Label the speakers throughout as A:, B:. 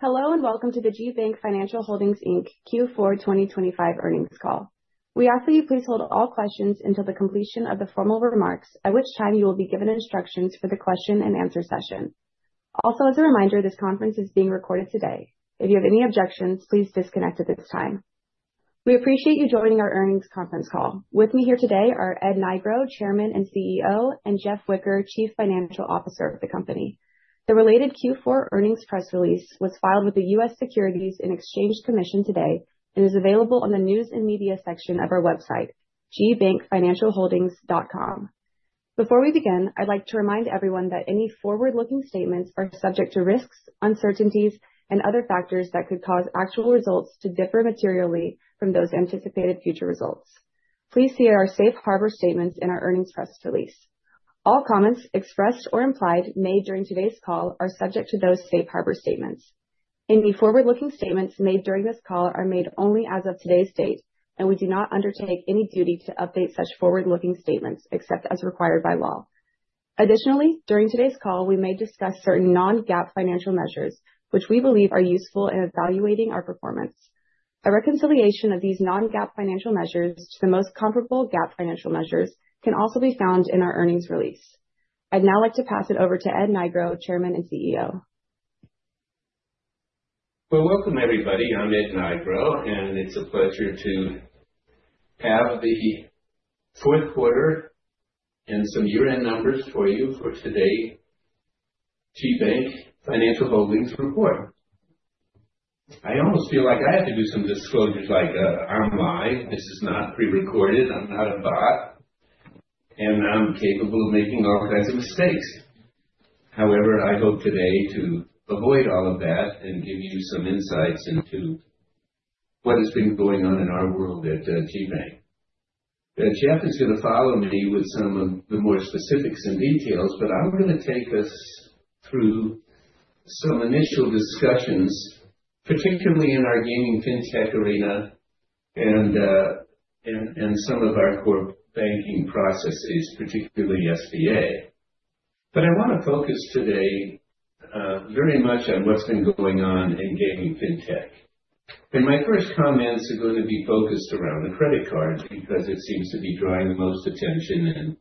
A: Hello, and welcome to the GBank Financial Holdings, Inc Q4 2025 Earnings Call. We ask that you please hold all questions until the completion of the formal remarks, at which time you will be given instructions for the question and answer session. Also, as a reminder, this conference is being recorded today. If you have any objections, please disconnect at this time. We appreciate you joining our earnings conference call. With me here today are Ed Nigro, Chairman and CEO, and Jeff Wicker, Chief Financial Officer of the company. The related Q4 earnings press release was filed with the U.S. Securities and Exchange Commission today and is available on the News and Media section of our website, gbankfinancialholdings.com. Before we begin, I'd like to remind everyone that any forward-looking statements are subject to risks, uncertainties, and other factors that could cause actual results to differ materially from those anticipated future results. Please see our safe harbor statements in our earnings press release. All comments expressed or implied made during today's call are subject to those safe harbor statements. Any forward-looking statements made during this call are made only as of today's date, and we do not undertake any duty to update such forward-looking statements, except as required by law. Additionally, during today's call, we may discuss certain non-GAAP financial measures, which we believe are useful in evaluating our performance. A reconciliation of these non-GAAP financial measures to the most comparable GAAP financial measures can also be found in our earnings release. I'd now like to pass it over to Ed Nigro, Chairman and CEO.
B: Well, welcome, everybody. I'm Ed Nigro, and it's a pleasure to have the fourth quarter and some year-end numbers for you for today, GBank Financial Holdings report. I almost feel like I have to do some disclosures, like, I'm live. This is not prerecorded. I'm not a bot, and I'm capable of making all kinds of mistakes. However, I hope today to avoid all of that and give you some insights into what has been going on in our world at GBank. Now, Jeff is gonna follow me with some of the more specifics and details, but I'm gonna take us through some initial discussions, particularly in our Gaming FinTech arena and some of our core banking processes, particularly SBA. But I want to focus today, very much on what's been going on in Gaming FinTech. My first comments are going to be focused around the credit card, because it seems to be drawing the most attention, and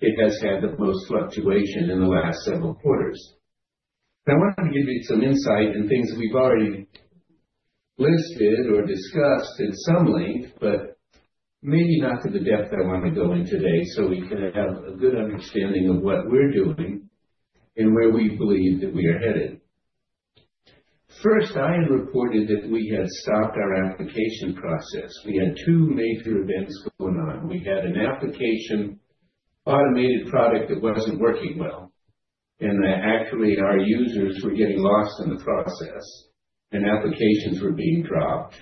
B: it has had the most fluctuation in the last several quarters. I want to give you some insight on things we've already listed or discussed at some length, but maybe not to the depth I want to go in today, so we can have a good understanding of what we're doing and where we believe that we are headed. First, I had reported that we had stopped our application process. We had two major events going on. We had an application automated product that wasn't working well, and that actually our users were getting lost in the process and applications were being dropped.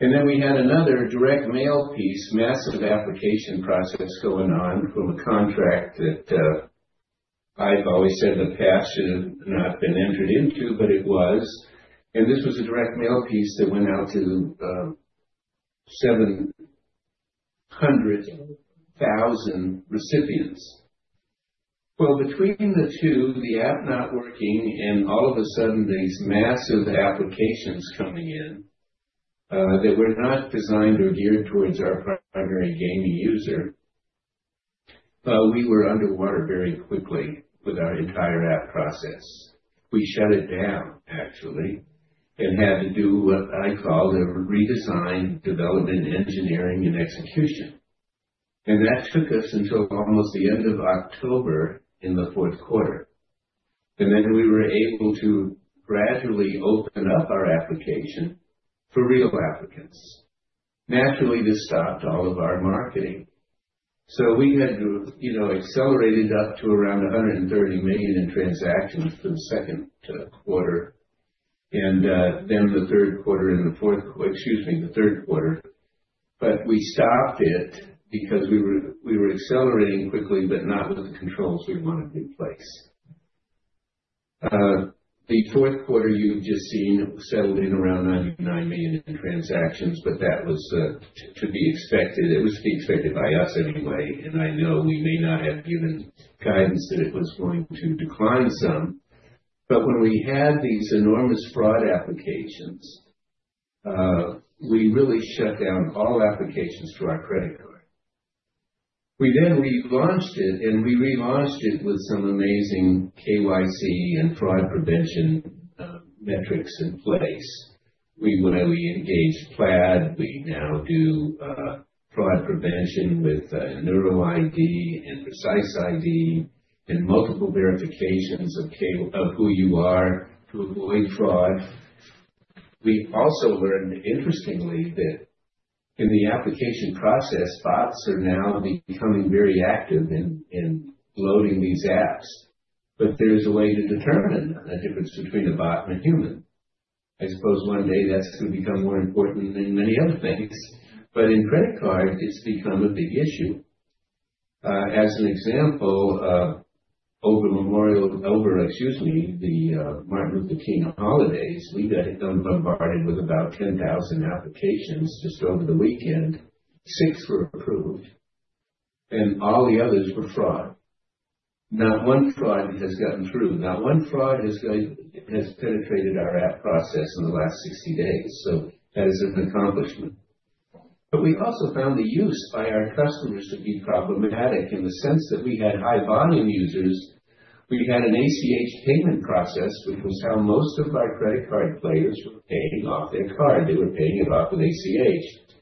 B: And then we had another direct mail piece, massive application process going on from a contract that, I've always said in the past should have not been entered into, but it was. And this was a direct mail piece that went out to, 700,000 recipients. Well, between the two, the app not working and all of a sudden these massive applications coming in, that were not designed or geared towards our primary gaming user, we were underwater very quickly with our entire app process. We shut it down actually, and had to do what I call a redesign, development, engineering and execution. And that took us until almost the end of October in the fourth quarter. And then we were able to gradually open up our application for real applicants. Naturally, this stopped all of our marketing, so we had to, you know, accelerate it up to around $130 million in transactions for the second quarter and then the third quarter and the fourth, excuse me, the third quarter. But we stopped it because we were accelerating quickly, but not with the controls we wanted in place. The fourth quarter, you've just seen, settled in around $99 million in transactions, but that was to be expected. It was to be expected by us anyway, and I know we may not have given guidance that it was going to decline some, but when we had these enormous fraud applications, we really shut down all applications for our credit card. We then relaunched it, and we relaunched it with some amazing KYC and fraud prevention metrics in place. We engaged Plaid. We now do fraud prevention with NeuroID and Precise ID and multiple verifications of who you are to avoid fraud. We also learned, interestingly, that in the application process, bots are now becoming very active in loading these apps, but there's a way to determine the difference between a bot and a human. I suppose one day that's going to become more important than many other things, but in credit card, it's become a big issue. As an example, over the Martin Luther King holidays, we got bombarded with about 10,000 applications just over the weekend. Six were approved, and all the others were fraud. Not one fraud has gotten through, not one fraud has penetrated our app process in the last 60 days, so that is an accomplishment. But we also found the use by our customers to be problematic in the sense that we had high volume users. We had an ACH payment process, which was how most of our credit card players were paying off their card. They were paying it off with ACH.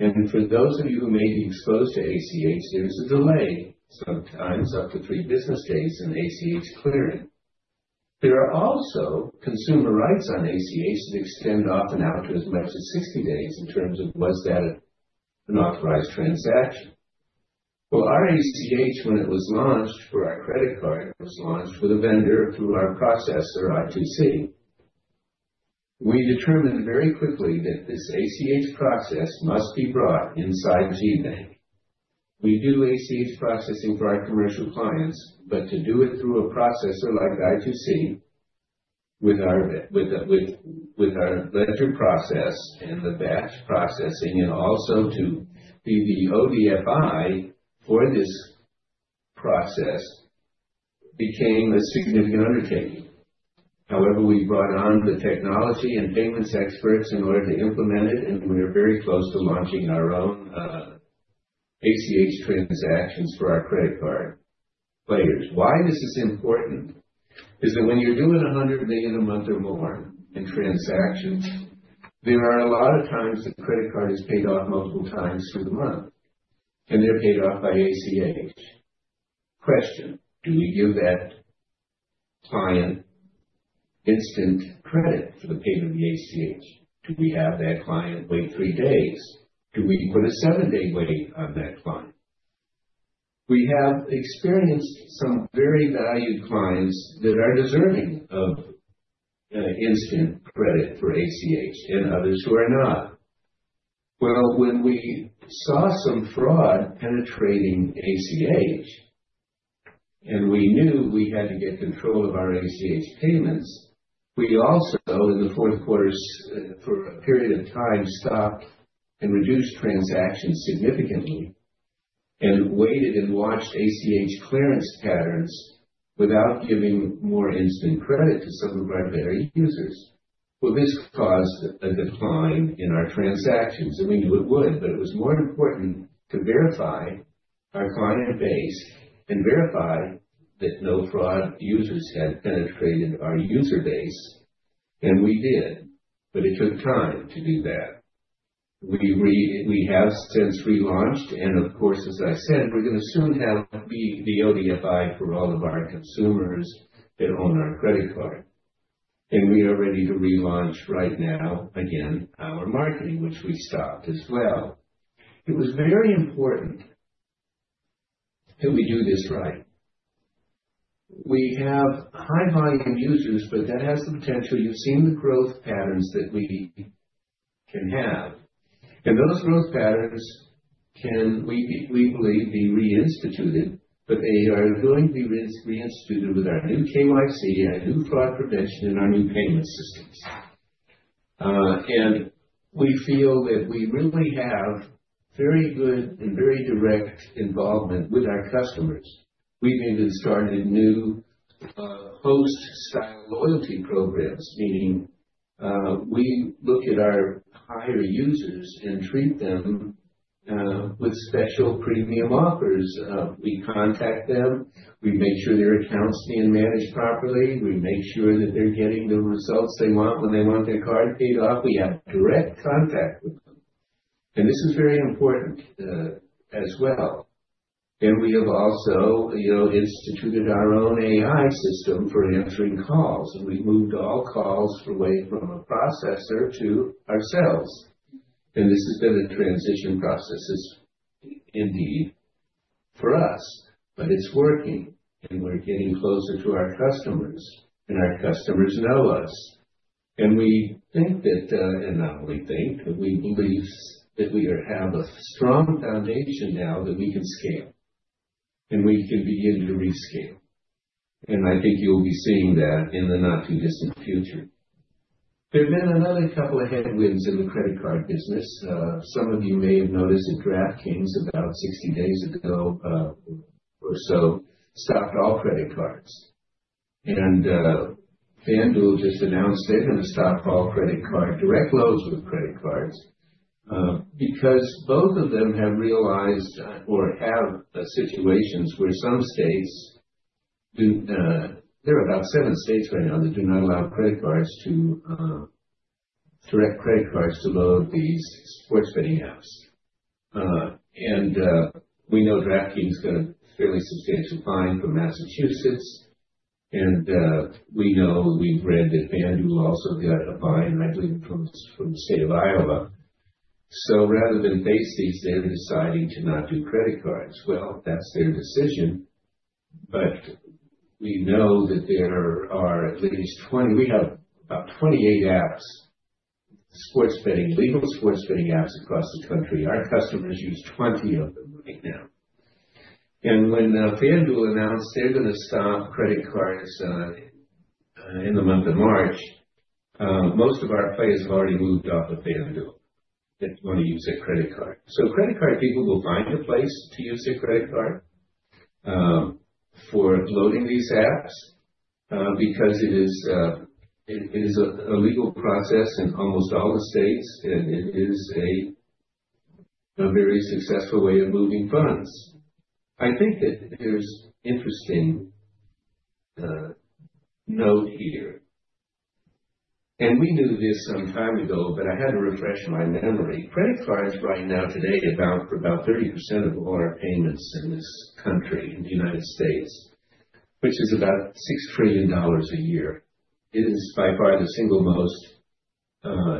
B: And for those of you who may be exposed to ACH, there is a delay, sometimes up to 3 business days in ACH clearing. There are also consumer rights on ACH that extend often out to as much as 60 days in terms of was that an authorized transaction? Well, our ACH, when it was launched for our credit card, was launched with a vendor through our processor, i2c. We determined very quickly that this ACH process must be brought inside GBank. We do ACH processing for our commercial clients, but to do it through a processor like i2c, with our ledger process and the batch processing, and also to be the ODFI for this process, became a significant undertaking. However, we brought on the technology and payments experts in order to implement it, and we are very close to launching our own ACH transactions for our credit card players. Why this is important is that when you're doing $100 million a month or more in transactions, there are a lot of times that credit card is paid off multiple times through the month, and they're paid off by ACH. Question: Do we give that client instant credit for the payment of the ACH? Do we have that client wait three days? Do we put a seven-day waiting on that client? We have experienced some very valued clients that are deserving of instant credit for ACH and others who are not. Well, when we saw some fraud penetrating ACH, and we knew we had to get control of our ACH payments, we also, in the fourth quarter, for a period of time, stopped and reduced transactions significantly and waited and watched ACH clearance patterns without giving more instant credit to some of our better users. Well, this caused a decline in our transactions, and we knew it would, but it was more important to verify our client base and verify that no fraud users had penetrated our user base. We did, but it took time to do that. We have since relaunched, and of course, as I said, we're gonna soon have the ODFI for all of our consumers that own our credit card. We are ready to relaunch right now, again, our marketing, which we stopped as well. It was very important that we do this right. We have high-volume users, but that has the potential—you've seen the growth patterns that we can have, and those growth patterns can, we believe, be reinstated, but they are going to be reinstated with our new KYC and our new fraud prevention and our new payment systems. And we feel that we really have very good and very direct involvement with our customers. We've even started new host-style loyalty programs, meaning we look at our higher users and treat them with special premium offers. We contact them, we make sure their accounts being managed properly, we make sure that they're getting the results they want when they want their card paid off. We have direct contact with them, and this is very important, as well. And we have also, you know, instituted our own AI system for answering calls, and we've moved all calls away from a processor to ourselves. And this has been a transition process as indeed for us, but it's working, and we're getting closer to our customers, and our customers know us. And we think that, and not only think, but we believe that we have a strong foundation now that we can scale, and we can begin to rescale. And I think you'll be seeing that in the not-too-distant future. There've been another couple of headwinds in the credit card business. Some of you may have noticed that DraftKings, about 60 days ago, or so, stopped all credit cards. FanDuel just announced they're gonna stop all credit card direct loads with credit cards because both of them have realized or have situations where some states do. There are about 7 states right now that do not allow credit cards to direct credit cards to load these sports betting apps. We know DraftKings got a fairly substantial fine from Massachusetts. We know we've read that FanDuel also got a fine, I believe, from the state of Iowa. So rather than face these, they're deciding to not do credit cards. Well, that's their decision, but we know that there are at least 20—we have about 28 apps, sports betting, legal sports betting apps across the country. Our customers use 20 of them right now. When FanDuel announced they're going to stop credit cards in the month of March, most of our players have already moved off of FanDuel that want to use their credit card. So credit card people will find a place to use their credit card for loading these apps because it is a legal process in almost all the states, and it is a very successful way of moving funds. I think that there's interesting note here, and we knew this some time ago, but I had to refresh my memory. Credit cards right now today account for about 30% of all our payments in this country, in the United States, which is about $6 trillion a year. It is by far the single most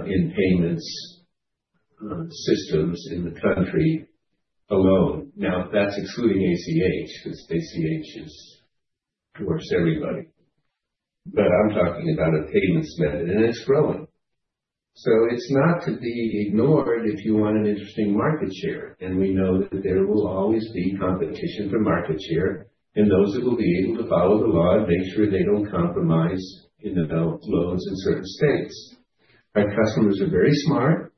B: in payments systems in the country alone. Now, that's excluding ACH, because ACH is, of course, everybody. But I'm talking about a payments method, and it's growing. So it's not to be ignored if you want an interesting market share. And we know that there will always be competition for market share and those that will be able to follow the law and make sure they don't compromise in the loans in certain states. Our customers are very smart,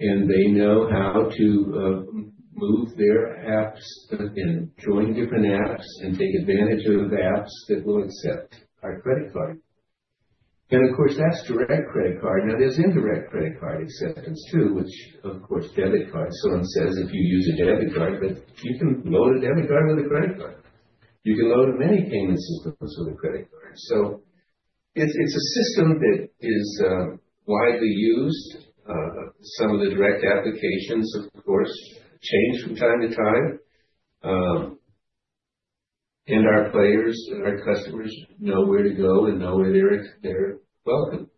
B: and they know how to move their apps and join different apps and take advantage of apps that will accept our credit card. And of course, that's direct credit card. Now, there's indirect credit card acceptance, too, which of course, debit card. Someone says if you use a debit card, but you can load a debit card with a credit card. You can load many payment systems with a credit card. So it's, it's a system that is widely used. Some of the direct applications, of course, change from time to time. And our players and our customers know where to go and know where they're, they're welcome.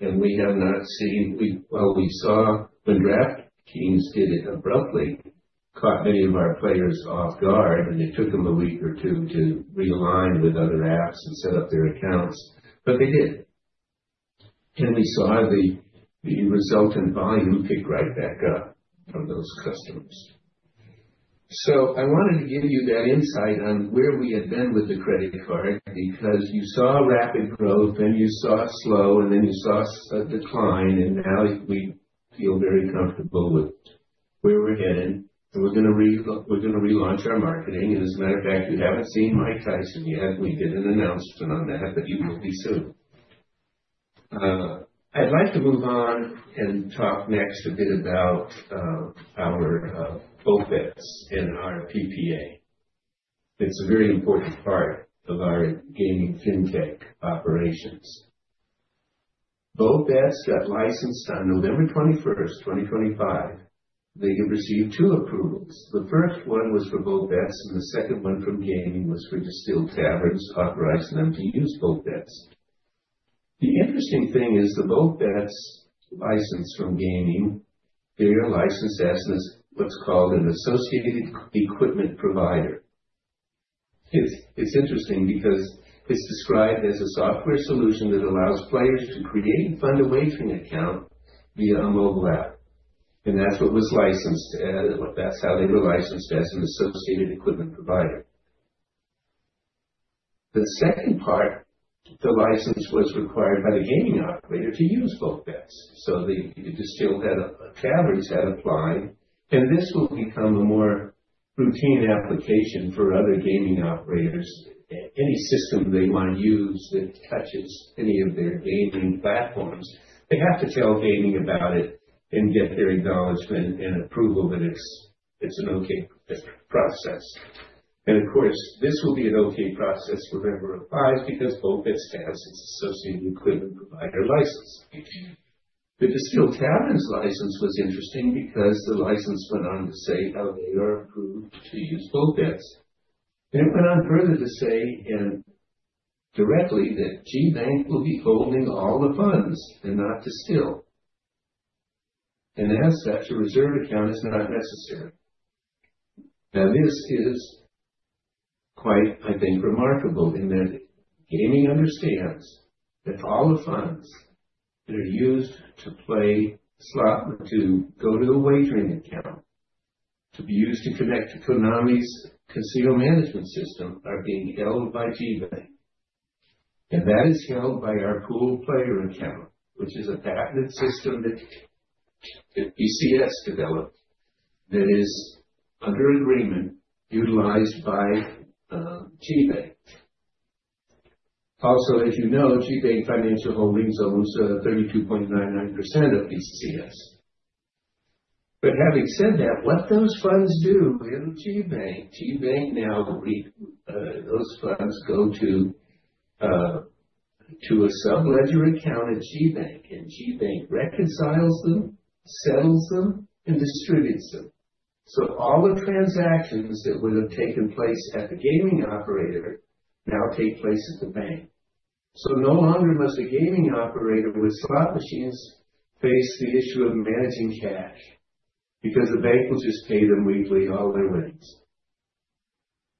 B: And we have not seen. We, well, we saw when DraftKings did it abruptly, caught many of our players off guard, and it took them a week or two to realign with other apps and set up their accounts, but they did. And we saw the, the resultant volume pick right back up from those customers. So I wanted to give you that insight on where we had been with the credit card, because you saw rapid growth, and you saw it slow, and then you saw a decline, and now we feel very comfortable with where we're headed. We're going to relaunch our marketing. As a matter of fact, you haven't seen Mike Tyson yet. We did an announcement on that, but you will be soon. I'd like to move on and talk next a bit about our BoltBetz and our PPA. It's a very important part of our Gaming FinTech operations. BoltBetz got licensed on November 21st, 2025. They have received two approvals. The first one was for BoltBetz, and the second one from Gaming was for Distill Taverns, authorized them to use BoltBetz. The interesting thing is the BoltBetz license from Gaming. They are licensed as what's called an Associated Equipment Provider. It's interesting because it's described as a software solution that allows players to create and fund a wagering account via a mobile app, and that's what was licensed. That's how they were licensed, as an associated equipment provider. The second part, the license was required by the gaming operator to use BoltBetz, so the Distill Taverns had applied, and this will become a more routine application for other gaming operators. Any system they want to use that touches any of their gaming platforms, they have to tell Gaming about it and get their acknowledgement and approval that it's an okay process. And of course, this will be an okay process for Nevada, because BoltBetz has its associated equipment provider license. The Distill Taverns license was interesting because the license went on to say how they are approved to use BoltBetz. Then went on further to say, and directly, that GBank will be holding all the funds and not Distill. As such, a reserve account is not necessary. Now, this is quite, I think, remarkable in that Gaming understands that all the funds that are used to play slot or to go to a wagering account, to be used to connect to Konami's casino management system, are being held by GBank. And that is held by our pooled player account, which is a patented system that PCS developed, that is under agreement utilized by GBank. Also, as you know, GBank Financial Holdings owns 32.99% of PCS. But having said that, what those funds do in GBank, GBank now, those funds go to a sub-ledger account at GBank, and GBank reconciles them, settles them, and distributes them. So all the transactions that would have taken place at the gaming operator now take place at the bank. So no longer must a gaming operator with slot machines face the issue of managing cash, because the bank will just pay them weekly all their winnings.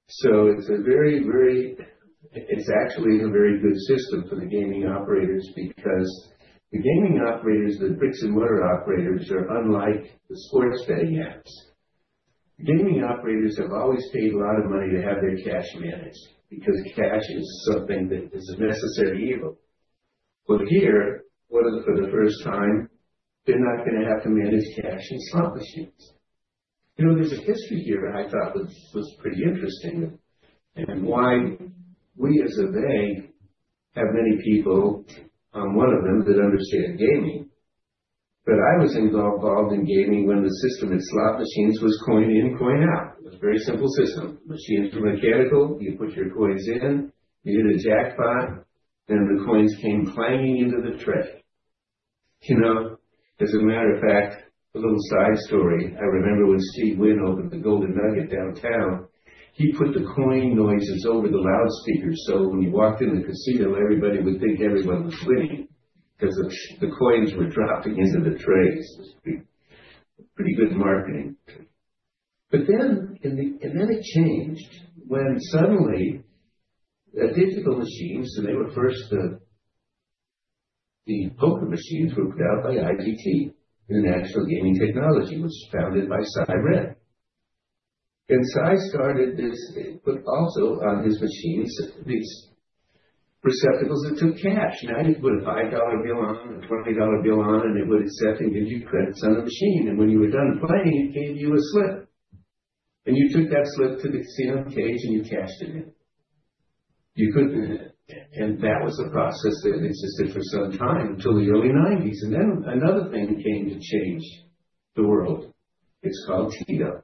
B: So it's a very, very—it's actually a very good system for the gaming operators, because the gaming operators, the bricks-and-mortar operators, are unlike the sports betting apps. Gaming operators have always paid a lot of money to have their cash managed, because cash is something that is a necessary evil. But here, for the first time, they're not going to have to manage cash in slot machines. You know, there's a history here I thought was pretty interesting, and why we, as a bank, have many people, I'm one of them, that understand gaming. But I was involved in gaming when the system in slot machines was coin-in, coin-out. It was a very simple system. Machines were mechanical, you put your coins in, you hit a jackpot, then the coins came clanging into the tray. You know, as a matter of fact, a little side story, I remember when Steve Wynn opened the Golden Nugget downtown, he put the coin noises over the loudspeaker, so when you walked in the casino, everybody would think everyone was winning, because the coins were dropping into the trays. It was pretty, pretty good marketing. But then, and then it changed when suddenly the digital machines, and they were first the poker machines rolled out by IGT, International Game Technology, which was founded by Si Redd. And Si started this, but also on his machines, these receptacles that took cash. Now, you put a $5 bill on, a $20 bill on, and it would accept it, and give you credits on the machine, and when you were done playing, it gave you a slip. And you took that slip to the casino cage, and you cashed it in. And that was a process that existed for some time, until the early 1990s. And then another thing came to change the world. It's called TITO,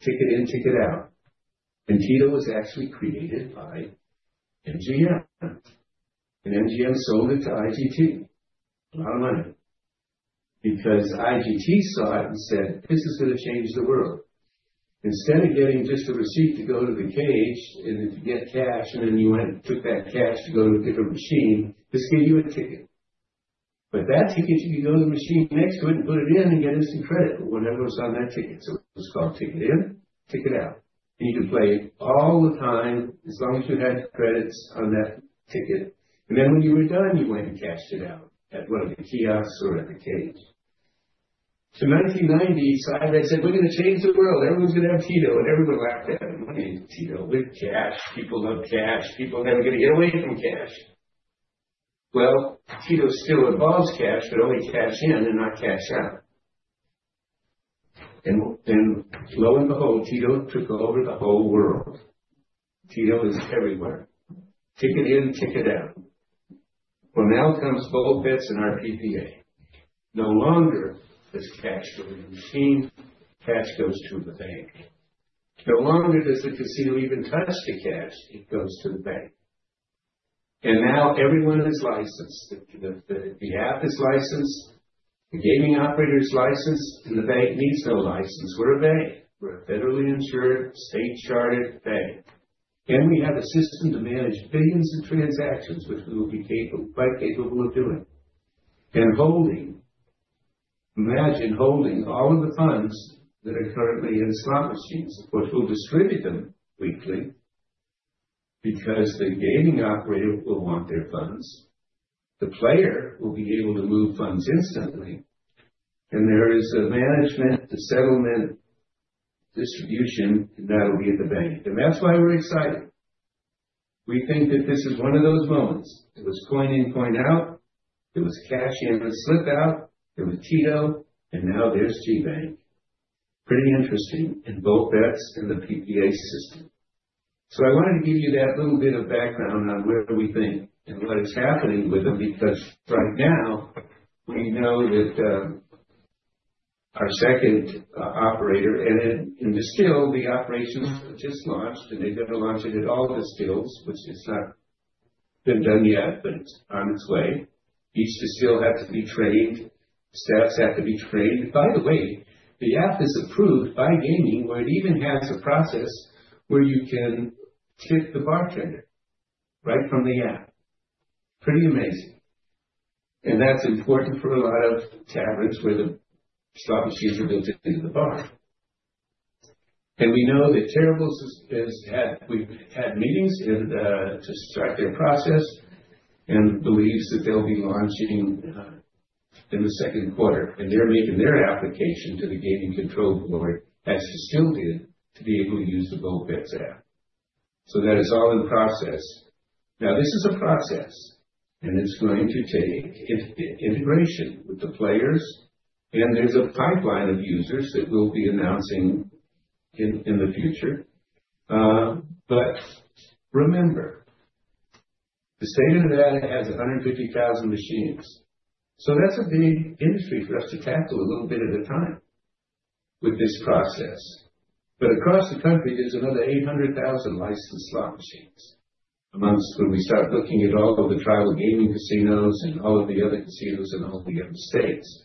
B: ticket-in, ticket-out. And TITO was actually created by MGM, and MGM sold it to IGT for a lot of money. Because IGT saw it and said, "This is going to change the world." Instead of getting just a receipt to go to the cage and then to get cash, and then you went and took that cash to go to a different machine, this gave you a ticket. With that ticket, you could go to the machine next to it and put it in and get instant credit for whatever was on that ticket. So it was called ticket-in, ticket-out, and you could play all the time, as long as you had credits on that ticket. And then when you were done, you went and cashed it out at one of the kiosks or at the cage. So 1990, Si Redd said, "We're going to change the world. Everyone's going to have TITO," and everyone laughed at him. "Money in TITO with cash. People love cash. People are never going to get away from cash." Well, TITO still involves cash, but only cash-in and not cash-out. And lo and behold, TITO took over the whole world. TITO is everywhere. Ticket in, ticket out. Well, now comes BoltBetz and our PPA. No longer does cash go in the machine, cash goes to the bank. No longer does the casino even touch the cash, it goes to the bank. And now everyone is licensed. The app is licensed, the gaming operator is licensed, and the bank needs no license. We're a bank. We're a federally insured, state-chartered bank, and we have a system to manage billions of transactions, which we will be capable, quite capable of doing. And holding, imagine holding all of the funds that are currently in slot machines, but we'll distribute them weekly because the gaming operator will want their funds, the player will be able to move funds instantly, and there is a management, a settlement, distribution, and that will be at the bank. And that's why we're excited. We think that this is one of those moments. It was coin-in, coin-out, it was cash-in and slip-out, it was TITO, and now there's GBank. Pretty interesting in BoltBetz and the PPA system. So I wanted to give you that little bit of background on where we think and what is happening with them, because right now we know that, our second operator, and in Distill, the operation just launched, and they're going to launch it at all Distills, which it's not been done yet, but it's on its way. Each Distill has to be trained, staffs have to be trained. By the way, the app is approved by gaming, where it even has a process where you can tip the bartender right from the app. Pretty amazing. And that's important for a lot of taverns where the slot machines are built into the bar. We know that Terrible's is we've had meetings and to start their process and believes that they'll be launching in the second quarter, and they're making their application to the Gaming Control Board, as Distill did, to be able to use the BoltBetz app. So that is all in process. Now, this is a process, and it's going to take integration with the players, and there's a pipeline of users that we'll be announcing in the future. But remember, the state of Nevada has 150,000 machines, so that's a big industry for us to tackle a little bit at a time with this process. But across the country, there's another 800,000 licensed slot machines, amongst when we start looking at all of the tribal gaming casinos and all of the other casinos in all the other states.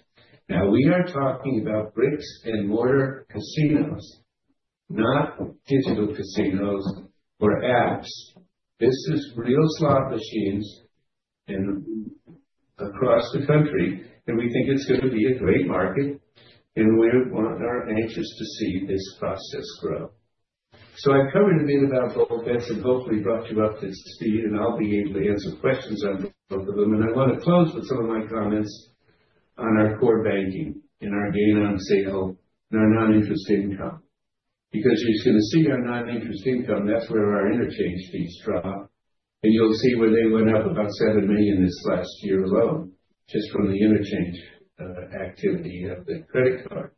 B: Now, we are talking about brick-and-mortar casinos, not digital casinos or apps. This is real slot machines and across the country, and we think it's going to be a great market, and we're, we're anxious to see this process grow. So I've covered a bit about all this, and hopefully brought you up to speed, and I'll be able to answer questions on both of them. And I want to close with some of my comments on our core banking and our gain on sale and our non-interest income. Because you're going to see our non-interest income, that's where our interchange fees drop. You'll see where they went up about $7 million this last year alone, just from the interchange activity of the credit card.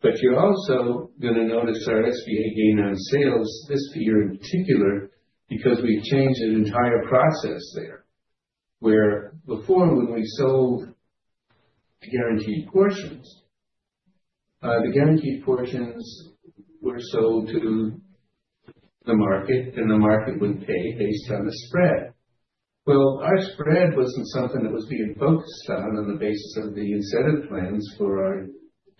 B: But you're also gonna notice our SBA gain on sales this year in particular, because we changed an entire process there. Where before, when we sold the guaranteed portions, the guaranteed portions were sold to the market, and the market would pay based on the spread. Well, our spread wasn't something that was being focused on on the basis of the incentive plans for our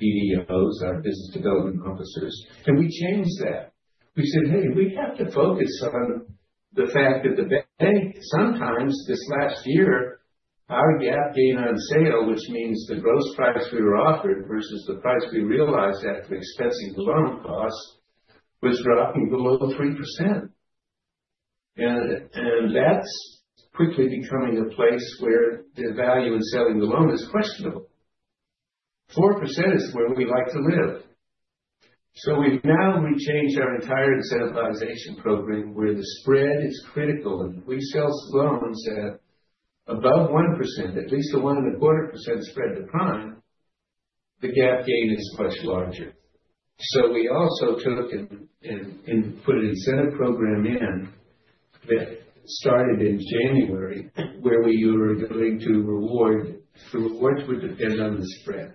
B: BDOs, our business development officers, and we changed that. We said, "Hey, we have to focus on the fact that the bank, sometimes this last year, our GAAP gain on sale, which means the gross price we were offered versus the price we realized after expensing the loan cost, was dropping below 3%. That's quickly becoming a place where the value in selling the loan is questionable. 4% is where we like to live. So we've now changed our entire incentivization program, where the spread is critical, and if we sell loans at above 1%, at least a 1.25% spread to prime, the gain is much larger. So we also took and put an incentive program in that started in January, where we were going to reward—the rewards would depend on the spread,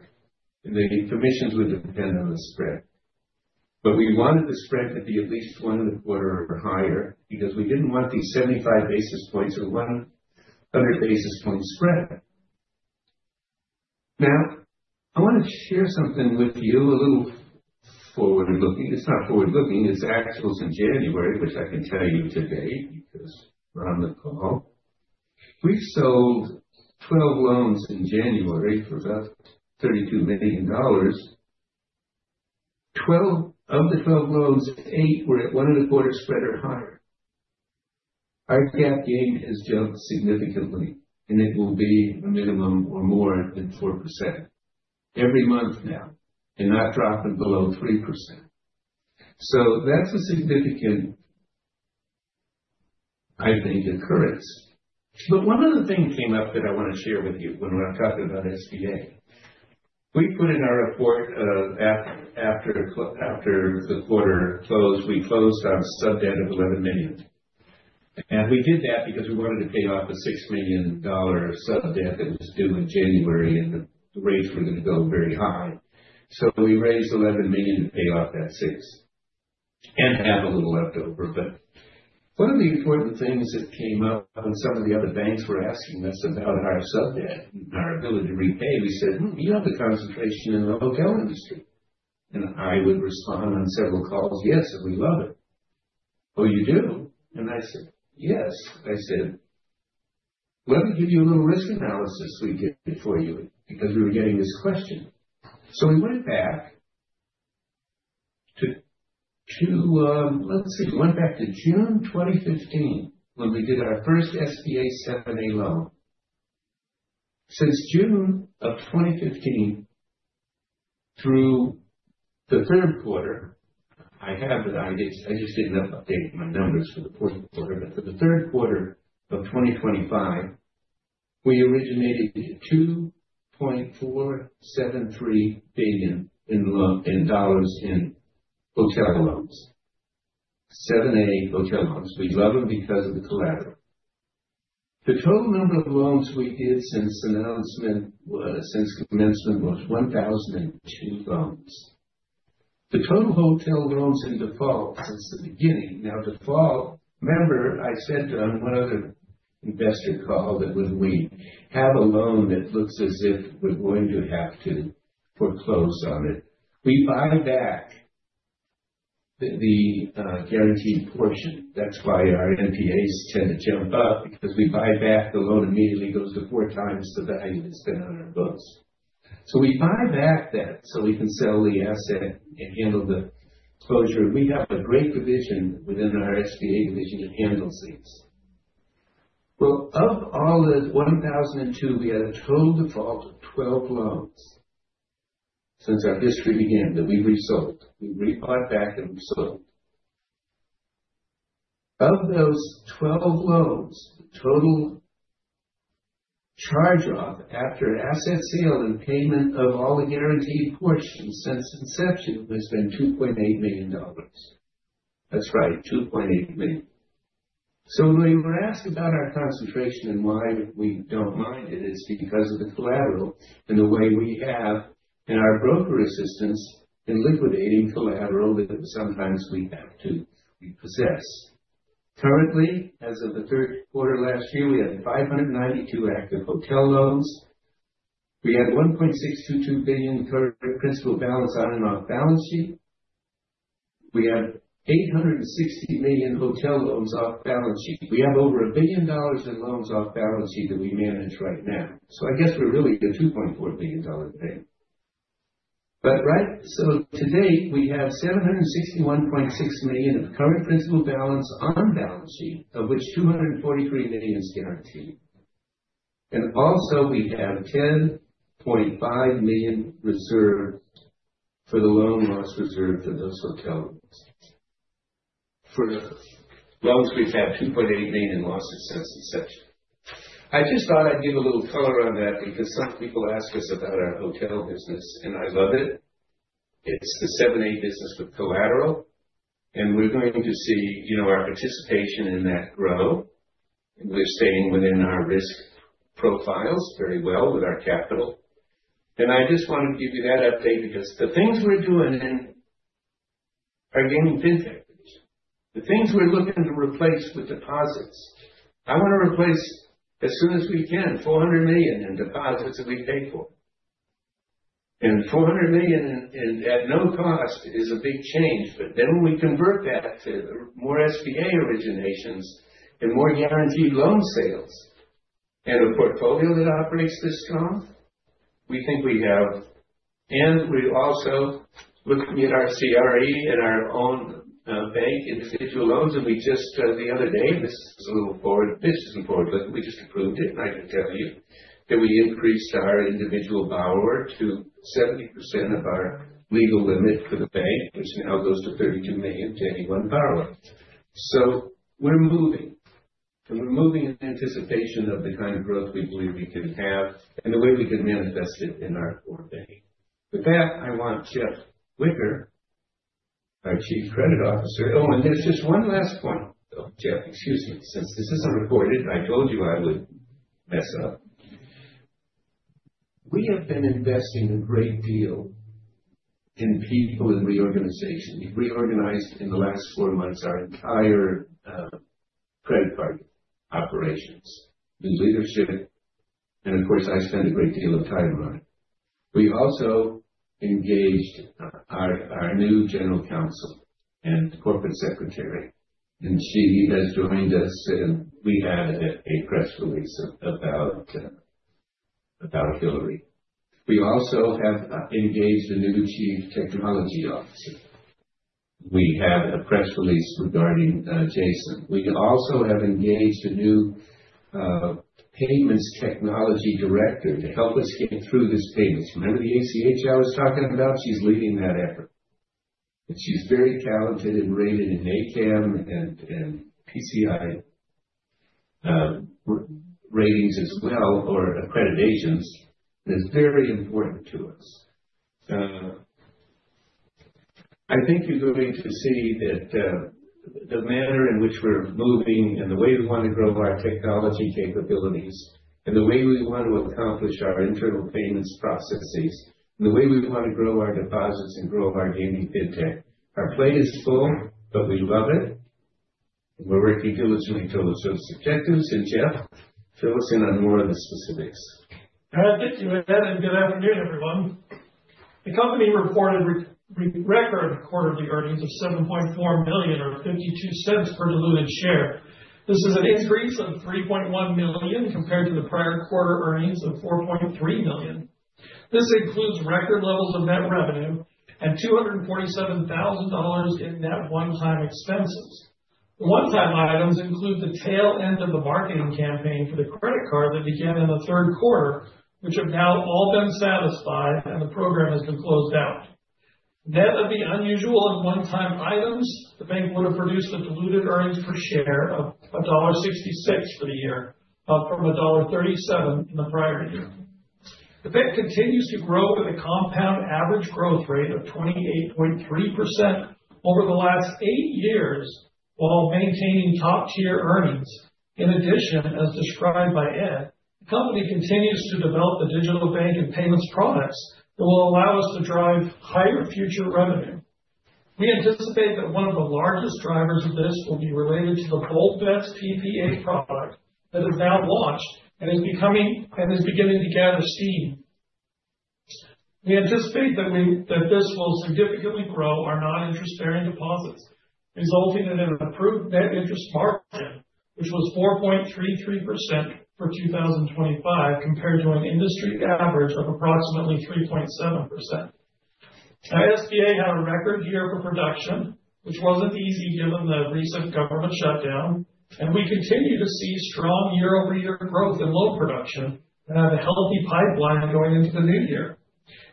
B: and the commissions would depend on the spread. But we wanted the spread to be at least 1.25% or higher, because we didn't want these 75 basis points or 100 basis point spread. Now, I want to share something with you, a little forward-looking. It's not forward-looking, it's actuals in January, which I can tell you today because we're on the call. We sold 12 loans in January for about $32 million. 12 of the 12 loans, 8 were at 1.25 spread or higher. Our gain has jumped significantly, and it will be a minimum or more than 4% every month now, and not dropping below 3%. So that's a significant, I think, occurrence. But one other thing came up that I want to share with you when I'm talking about SBA. We put in our report, after the quarter closed, we closed on a sub-debt of $11 million. And we did that because we wanted to pay off a $6 million sub-debt that was due in January, and the rates were going to go very high. So we raised $11 million to pay off that $6 million and have a little leftover. But one of the important things that came up, and some of the other banks were asking us about our sub-debt and our ability to repay. We said, "Hmm, you have a concentration in the hotel industry." And I would respond on several calls, "Yes, and we love it." "Oh, you do?" And I said, "Yes." I said, "Let me give you a little risk analysis we did for you," because we were getting this question. So we went back to June 2015, when we did our first SBA 7(a) loan. Since June 2015 through the third quarter, I have the ideas, I just didn't update my numbers for the fourth quarter. But for the third quarter of 2025, we originated $2.473 billion in dollars in 7(a) hotel loans. We love them because of the collateral. The total number of loans we did since announcement was, since commencement, was 1,002 loans. The total hotel loans in default since the beginning. Now, default, remember I said on one other investor call, that when we have a loan that looks as if we're going to have to foreclose on it, we buy back the guaranteed portion. That's why our NPAs tend to jump up, because we buy back the loan, immediately goes to 4x the value that's been on our books. So we buy back that, so we can sell the asset and handle the closure. We have a great division within our SBA division that handles these. Well, of all the 1,002, we had a total default of 12 loans since our history began, that we resold. We bought back and resold. Of those 12 loans, the total charge-off after asset sale and payment of all the guaranteed portions since inception has been $2.8 million. That's right, $2.8 million. So when we're asked about our concentration and why we don't mind it, it's because of the collateral and the way we have in our broker assistance in liquidating collateral that sometimes we have to repossess. Currently, as of the third quarter last year, we had 592 active hotel loans. We had $1.622 billion current principal balance on and off-balance sheet. We have $860 million hotel loans off-balance sheet. We have over $1 billion in loans off-balance sheet that we manage right now. So I guess we're really a $2.4 billion bank. But right, so to date, we have $761.6 million of current principal balance on balance sheet, of which $243 million is guaranteed. And also, we have $10.5 million reserved for the loan loss reserve for those hotel loans. For the loans, we've had $2.8 million in losses since inception. I just thought I'd give a little color on that because some people ask us about our hotel business, and I love it. It's the 7(a) business with collateral, and we're going to see, you know, our participation in that grow. We're staying within our risk profiles very well with our capital. And I just wanted to give you that update because the things we're doing in Gaming FinTech. The things we're looking to replace with deposits. I want to replace, as soon as we can, $400 million in deposits that we pay for. And $400 million in at no cost is a big change, but then when we convert that to more SBA originations and more guaranteed loan sales and a portfolio that operates this strong, we think we have. And we're also looking at our CRE and our own bank individual loans, and we just the other day, this is a little forward, this is important, but we just approved it, and I can tell you that we increased our individual borrower to 70% of our legal limit for the bank, which now goes to $32 million to any one borrower. So we're moving, and we're moving in anticipation of the kind of growth we believe we can have and the way we can manifest it in our core bank. With that, I want Jeff Wicker, our Chief Credit Officer. Oh, and there's just one last point, though, Jeff, excuse me. Since this is recorded, I told you I would mess up. We have been investing a great deal in people and reorganization. We've reorganized, in the last four months, our entire credit card operations, the leadership, and of course, I spend a great deal of time on it. We also engaged our new General Counsel and Corporate Secretary, and she has joined us, and we had a press release about Hillary. We also have engaged a new Chief Technology Officer. We have a press release regarding Jason. We also have engaged a new payments technology director to help us get through this payments. Remember the ACH I was talking about? She's leading that effort, and she's very talented and rated in ACAMS and PCI ratings as well, or accreditations, is very important to us. I think you're going to see that, the manner in which we're moving and the way we want to grow our technology capabilities, and the way we want to accomplish our internal payments processes, and the way we want to grow our deposits and grow our Gaming FinTech. Our plate is full, but we love it, and we're working diligently toward those objectives. And Jeff, fill us in on more of the specifics.
C: I'll get to it, Ed, and good afternoon, everyone. The company reported record quarterly earnings of $7.4 million or $0.52 per diluted share. This is an increase of $3.1 million compared to the prior quarter earnings of $4.3 million. This includes record levels of net revenue and $247,000 in net one-time expenses. The one-time items include the tail end of the marketing campaign for the credit card that began in the third quarter, which have now all been satisfied, and the program has been closed out. Net of the unusual and one-time items, the bank would have produced a diluted earnings per share of $1.66 for the year, up from $1.37 in the prior year. The bank continues to grow at a compound average growth rate of 28.3% over the last eight years, while maintaining top-tier earnings. In addition, as described by Ed, the company continues to develop the digital bank and payments products that will allow us to drive higher future revenue. We anticipate that one of the largest drivers of this will be related to the BoltBetz PPA product that is now launched and is beginning to gather steam. We anticipate that this will significantly grow our non-interest-bearing deposits, resulting in an improved net interest margin, which was 4.33% for 2025, compared to an industry average of approximately 3.7%. Our SBA had a record year for production, which wasn't easy given the recent government shutdown, and we continue to see strong year-over-year growth in loan production and have a healthy pipeline going into the new year.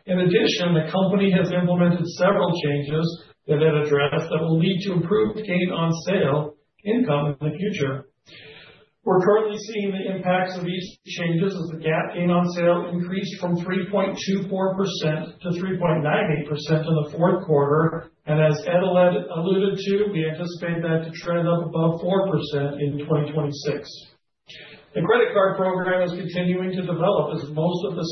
C: In addition, the company has implemented several changes that Ed addressed that will lead to improved gain on sale income in the future. We're currently seeing the impacts of these changes as the GAAP gain on sale increased from 3.24%-3.98% in the fourth quarter, and as Ed alluded to, we anticipate that to trend up above 4% in 2026. The credit card program is continuing to develop as most of the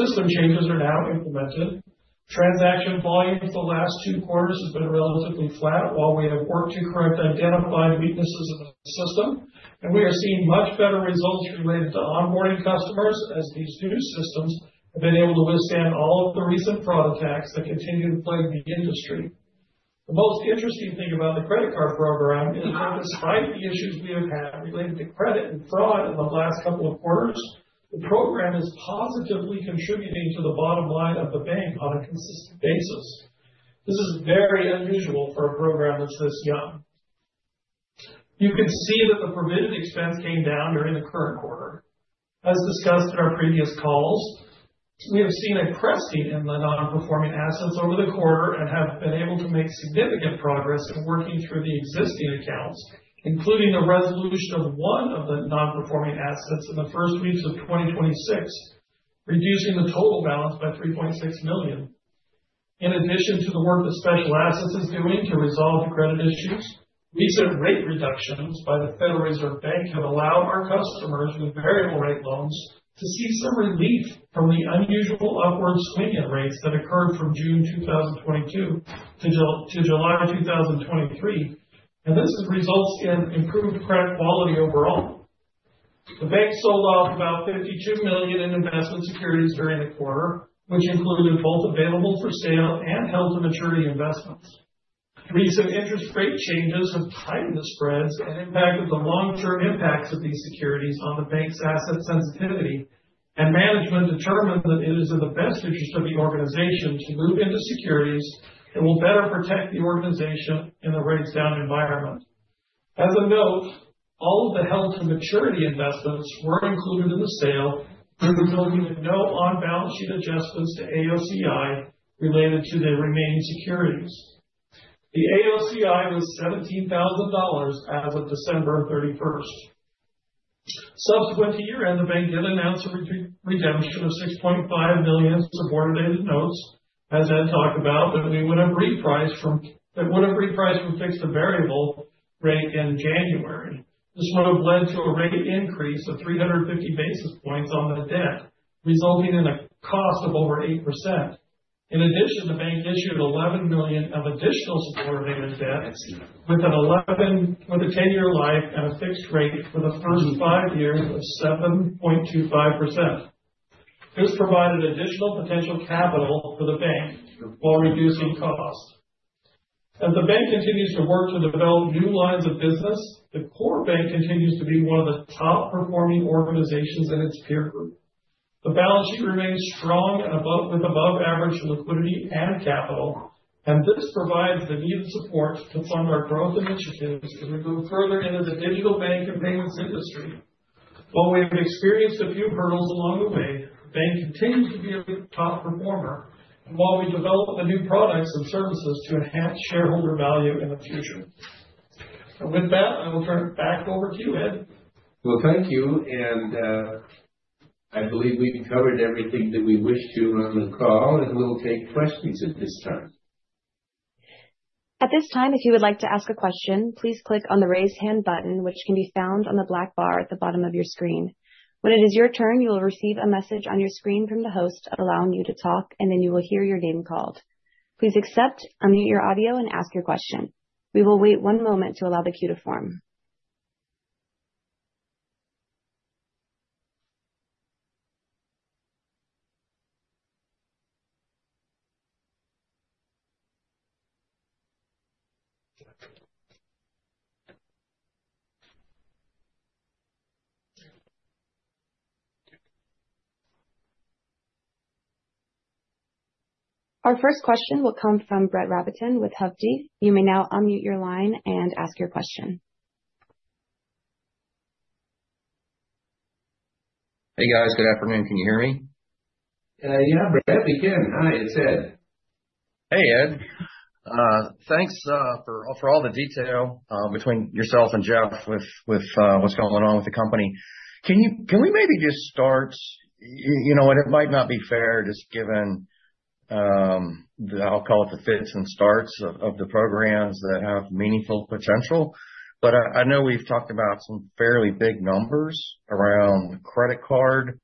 C: system changes are now implemented. Transaction volume for the last two quarters has been relatively flat while we have worked to correct identified weaknesses in the system, and we are seeing much better results related to onboarding customers, as these new systems have been able to withstand all of the recent fraud attacks that continue to plague the industry. The most interesting thing about the credit card program is that despite the issues we have had related to credit and fraud in the last couple of quarters, the program is positively contributing to the bottom line of the bank on a consistent basis. This is very unusual for a program that's this young. You can see that the provision expense came down during the current quarter. As discussed in our previous calls, we have seen a cresting in the nonperforming assets over the quarter and have been able to make significant progress in working through the existing accounts, including the resolution of one of the nonperforming assets in the first weeks of 2026, reducing the total balance by $3.6 million. In addition to the work that Special Assets is doing to resolve the credit issues, recent rate reductions by the Federal Reserve Bank have allowed our customers with variable rate loans to see some relief from the unusual upward swing in rates that occurred from June 2022 to July 2023, and this has results in improved credit quality overall. The bank sold off about $52 million in investment securities during the quarter, which included both available for sale and held to maturity investments. Recent interest rate changes have tightened the spreads and impacted the long-term impacts of these securities on the bank's asset sensitivity, and management determined that it is in the best interest of the organization to move into securities that will better protect the organization in a rates-down environment. As a note, all of the held-to-maturity investments were included in the sale, resulting in no on-balance sheet adjustments to AOCI related to the remaining securities. The AOCI was $17,000 as of December 31st. Subsequent to year-end, the bank did announce a redemption of $6.5 million subordinated notes, as Ed talked about, that would have repriced from fixed to variable rate in January. This would have led to a rate increase of 350 basis points on the debt, resulting in a cost of over 8%. In addition, the bank issued $11 million of additional subordinated debt with a 10-year life and a fixed rate for the first 5 years of 7.25%. This provided additional potential capital for the bank while reducing costs. As the bank continues to work to develop new lines of business, the core bank continues to be one of the top-performing organizations in its peer group. The balance sheet remains strong and above, with above average liquidity and capital, and this provides the needed support to fund our growth initiatives as we move further into the digital bank and payments industry. While we have experienced a few hurdles along the way, the bank continues to be a top performer, and while we develop the new products and services to enhance shareholder value in the future. So with that, I will turn it back over to you, Ed.
B: Well, thank you. I believe we've covered everything that we wish to on the call, and we'll take questions at this time.
A: At this time, if you would like to ask a question, please click on the Raise Hand button, which can be found on the black bar at the bottom of your screen. When it is your turn, you will receive a message on your screen from the host allowing you to talk, and then you will hear your name called. Please accept, unmute your audio and ask your question. We will wait one moment to allow the queue to form. Our first question will come from Brett Rabatin with Hovde. You may now unmute your line and ask your question.
D: Hey, guys. Good afternoon. Can you hear me?
B: Yeah, Brett, we can. Hi, it's Ed.
D: Hey, Ed. Thanks for all the detail between yourself and Jeff with what's going on with the company. Can we maybe just start, you know what? It might not be fair, just given the. I'll call it the fits and starts of the programs that have meaningful potential. But I know we've talked about some fairly big numbers around credit card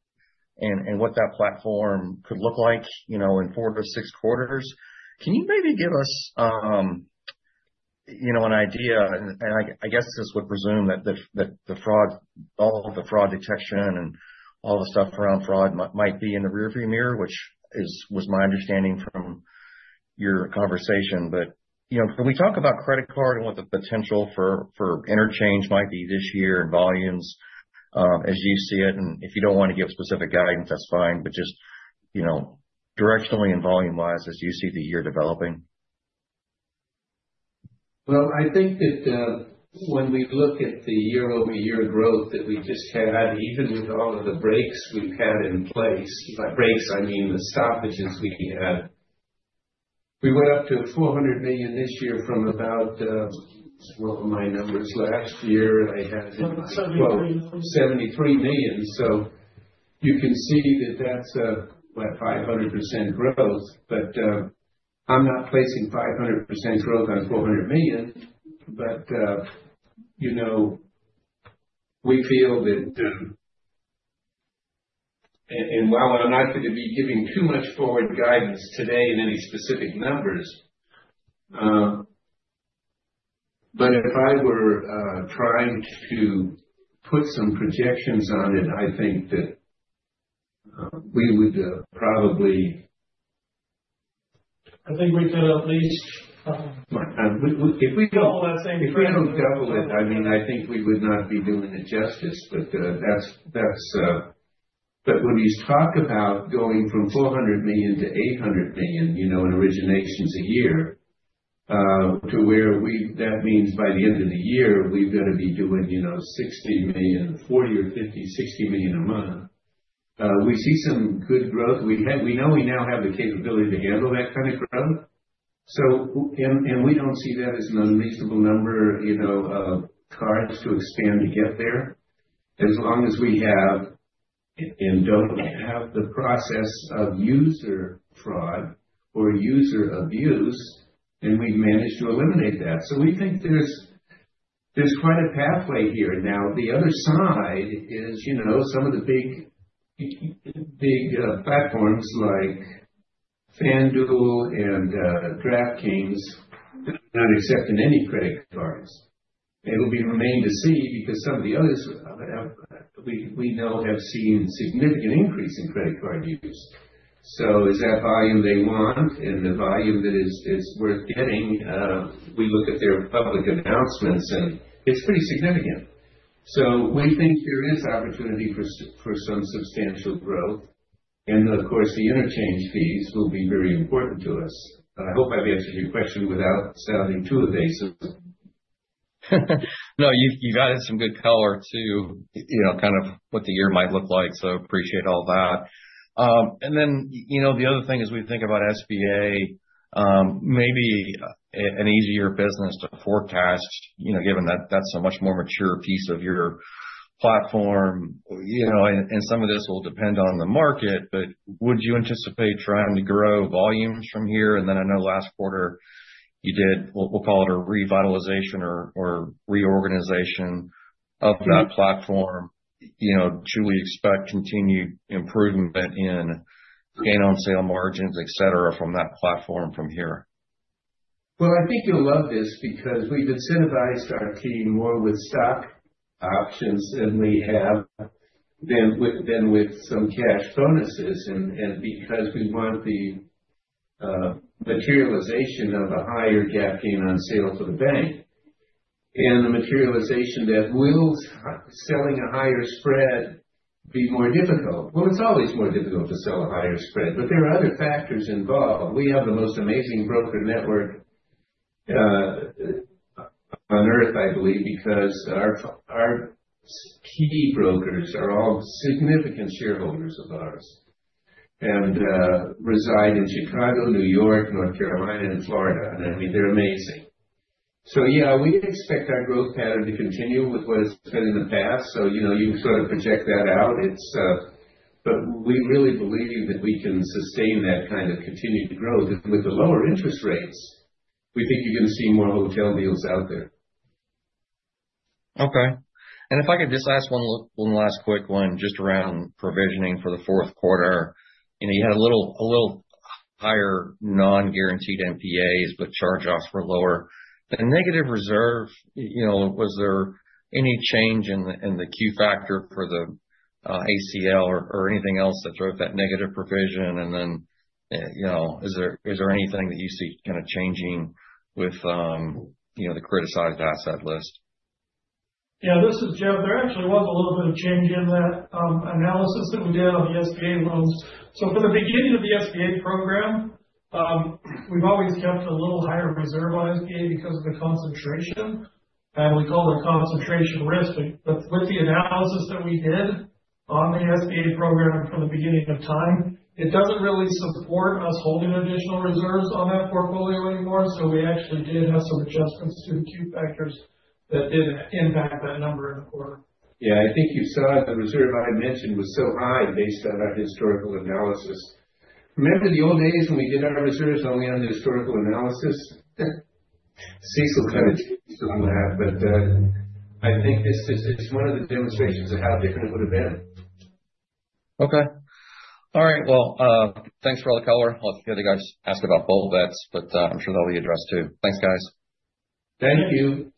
D: and what that platform could look like, you know, in 4-6 quarters. Can you maybe give us, you know, an idea? And I guess this would presume that the fraud, all the fraud detection and all the stuff around fraud might be in the rearview mirror, which was my understanding from your conversation. You know, can we talk about credit card and what the potential for interchange might be this year in volumes, as you see it? If you don't want to give specific guidance, that's fine, but just, you know, directionally and volume-wise as you see the year developing.
B: Well, I think that when we look at the year-over-year growth that we just had, even with all of the breaks we've had in place. By breaks, I mean the stoppages we had. We went up to $400 million this year from about what were my numbers last year? I had-
C: $73 million.
B: $73 million. So you can see that that's 500% growth. But I'm not placing 500% growth on $400 million. But you know, we feel that, and while I'm not going to be giving too much forward guidance today in any specific numbers. But if I were trying to put some projections on it, I think that we would probably-
C: I think we could at least,
B: Right. If we don't-
C: Follow that same trend.
B: If we don't double it, I mean, I think we would not be doing it justice. But when we talk about going from $400 million to $800 million, you know, in originations a year, to where we-- that means by the end of the year, we're gonna be doing, you know, $60 million, $40 million or $50 million, $60 million a month. We see some good growth. We have-- we know we now have the capability to handle that kind of growth, so, and, and we don't see that as an unreasonable number, you know, of cards to expand to get there, as long as we have, and don't have the process of user fraud or user abuse, and we manage to eliminate that. So we think there's, there's quite a pathway here. Now, the other side is, you know, some of the big, big, platforms like FanDuel and, DraftKings, they're not accepting any credit cards. It'll be remain to see, because some of the others, we know have seen significant increase in credit card use. So is that volume they want and the volume that is, is worth getting? We look at their public announcements, and it's pretty significant. So we think there is opportunity for some substantial growth. And of course, the interchange fees will be very important to us. I hope I've answered your question without sounding too evasive.
D: No, you, you've added some good color to, you know, kind of what the year might look like, so appreciate all that. And then, you know, the other thing, as we think about SBA, maybe an easier business to forecast, you know, given that that's a much more mature piece of your platform, you know, and some of this will depend on the market, but would you anticipate trying to grow volumes from here? And then I know last quarter you did, we'll call it a revitalization or reorganization of that platform. You know, should we expect continued improvement in gain on sale margins, etc., from that platform from here?
B: Well, I think you'll love this, because we've incentivized our team more with stock options than we have with some cash bonuses, and because we want the materialization of a higher GAAP gain on sale for the bank. And will the materialization of selling a higher spread be more difficult? Well, it's always more difficult to sell a higher spread, but there are other factors involved. We have the most amazing broker network on Earth, I believe, because our key brokers are all significant shareholders of ours. And reside in Chicago, New York, North Carolina, and Florida. And, I mean, they're amazing. So yeah, we expect our growth pattern to continue with what it's been in the past, so, you know, you can sort of project that out. We really believe that we can sustain that kind of continued growth. With the lower interest rates, we think you're gonna see more hotel deals out there.
D: Okay. If I could, just last one, one last quick one, just around provisioning for the fourth quarter. You know, you had a little, a little higher non-guaranteed NPAs, but charge-offs were lower. The negative reserve, you know, was there any change in the Q factor for the ACL or anything else that drove that negative provision? Then, you know, is there anything that you see kind of changing with the criticized asset list?
C: Yeah, this is Jeff. There actually was a little bit of change in that analysis that we did on the SBA loans. So from the beginning of the SBA program, we've always kept a little higher reserve on SBA because of the concentration, and we call it concentration risk. But, but with the analysis that we did on the SBA program from the beginning of time, it doesn't really support us holding additional reserves on that portfolio anymore, so we actually did have some adjustments to the Q factors that did impact that number in the quarter.
B: Yeah, I think you saw the reserve I had mentioned was so high based on our historical analysis. Remember the old days when we did our reserves only on the historical analysis? CECL kind of laugh, but I think it's one of the demonstrations of how different it would have been.
D: Okay. All right, well, thanks for all the color. I'll let the other guys ask about BoltBetz, but, I'm sure they'll be addressed, too. Thanks, guys.
B: Thank you.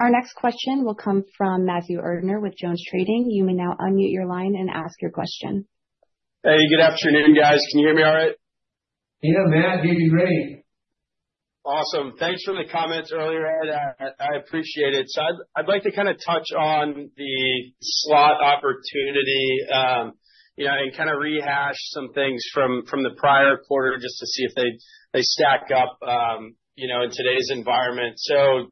A: Our next question will come from Matthew Erdner with JonesTrading. You may now unmute your line and ask your question.
E: Hey, good afternoon, guys. Can you hear me all right?
B: Yeah, Matt, you're great.
E: Awesome. Thanks for the comments earlier, Ed. I appreciate it. So I'd like to kind of touch on the slot opportunity, you know, and kind of rehash some things from the prior quarter, just to see if they stack up, you know, in today's environment. So,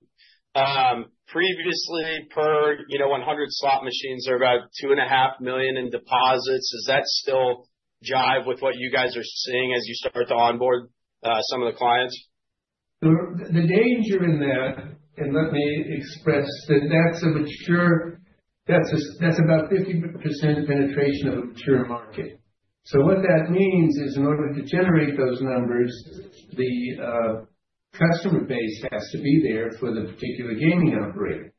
E: previously, you know, 100 slot machines are about $2.5 million in deposits. Does that still jive with what you guys are seeing as you start to onboard some of the clients?
B: The danger in that, and let me express that that's a mature—that's about 50% penetration of a mature market. So what that means is, in order to generate those numbers, the customer base has to be there for the particular gaming operator.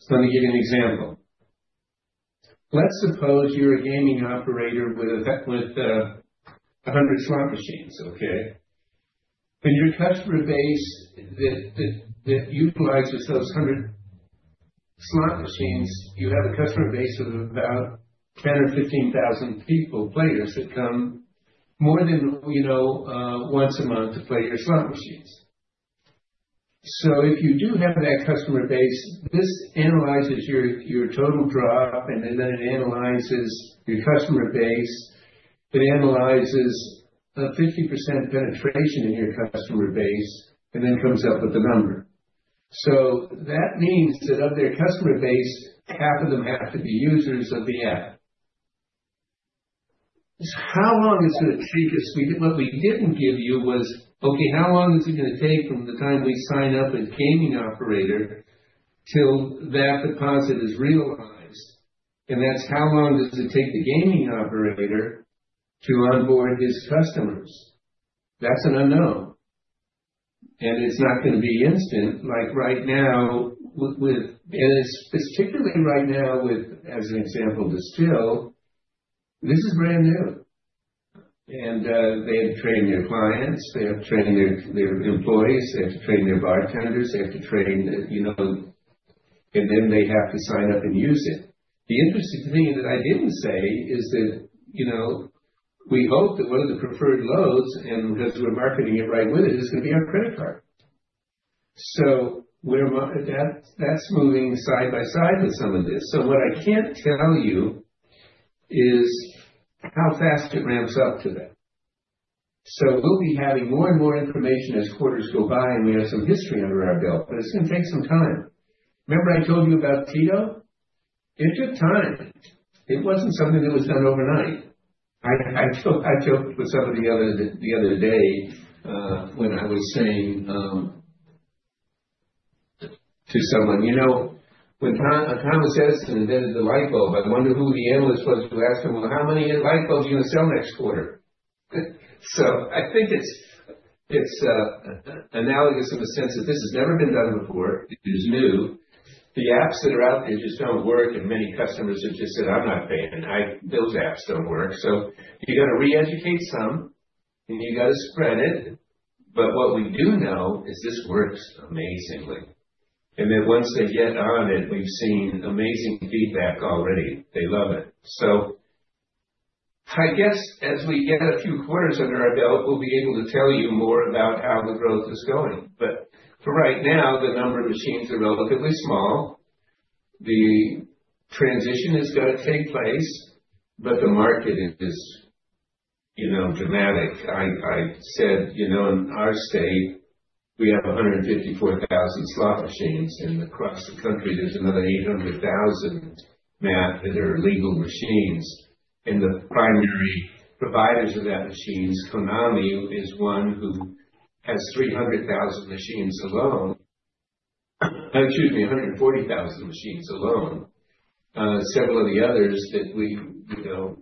B: So let me give you an example. Let's suppose you're a gaming operator with 100 slot machines, okay? And your customer base that utilizes those 100 slot machines, you have a customer base of about 10,000 or 15,000 people, players, that come more than, you know, once a month to play your slot machines. So if you do have that customer base, this analyzes your total drop, and then it analyzes your customer base. It analyzes a 50% penetration in your customer base, and then comes up with a number. So that means that of their customer base, half of them have to be users of the app. How long is it going to take us? We, what we didn't give you was, okay, how long is it gonna take from the time we sign up a gaming operator till that deposit is realized? And that's how long does it take the gaming operator to onboard his customers. That's an unknown, and it's not gonna be instant. Like, right now, with, and specifically right now, with, as an example, Distill, this is brand new. And they have to train their clients, they have to train their, their employees, they have to train their bartenders, they have to train, you know, and then they have to sign up and use it. The interesting thing that I didn't say is that, you know, we hope that one of the preferred loans, and because we're marketing it right with it, is gonna be our credit card. So we're, that's moving side by side with some of this. So what I can't tell you is how fast it ramps up to that. So we'll be having more and more information as quarters go by, and we have some history under our belt, but it's gonna take some time. Remember I told you about TITO? It took time. It wasn't something that was done overnight. I joked with someone the other day when I was saying to someone, "You know, when Thomas Edison invented the light bulb, I wonder who the analyst was to ask him, 'Well, how many light bulbs are you gonna sell next quarter?'" So I think it's analogous in the sense that this has never been done before. It is new. The apps that are out there just don't work, and many customers have just said, "I'm not paying, I... Those apps don't work." So you got to re-educate some, and you got to spread it. But what we do know is this works amazingly. And then once they get on it, we've seen amazing feedback already. They love it. So I guess as we get a few quarters under our belt, we'll be able to tell you more about how the growth is going. But for right now, the number of machines are relatively small. The transition has got to take place, but the market is, you know, dramatic. I said, you know, in our state, we have 154,000 slot machines, and across the country there's another 800,000 that are legal machines. And the primary providers of that machines, Konami, is one who has 300,000 machines alone. Excuse me, 140,000 machines alone. Several of the others that we, you know,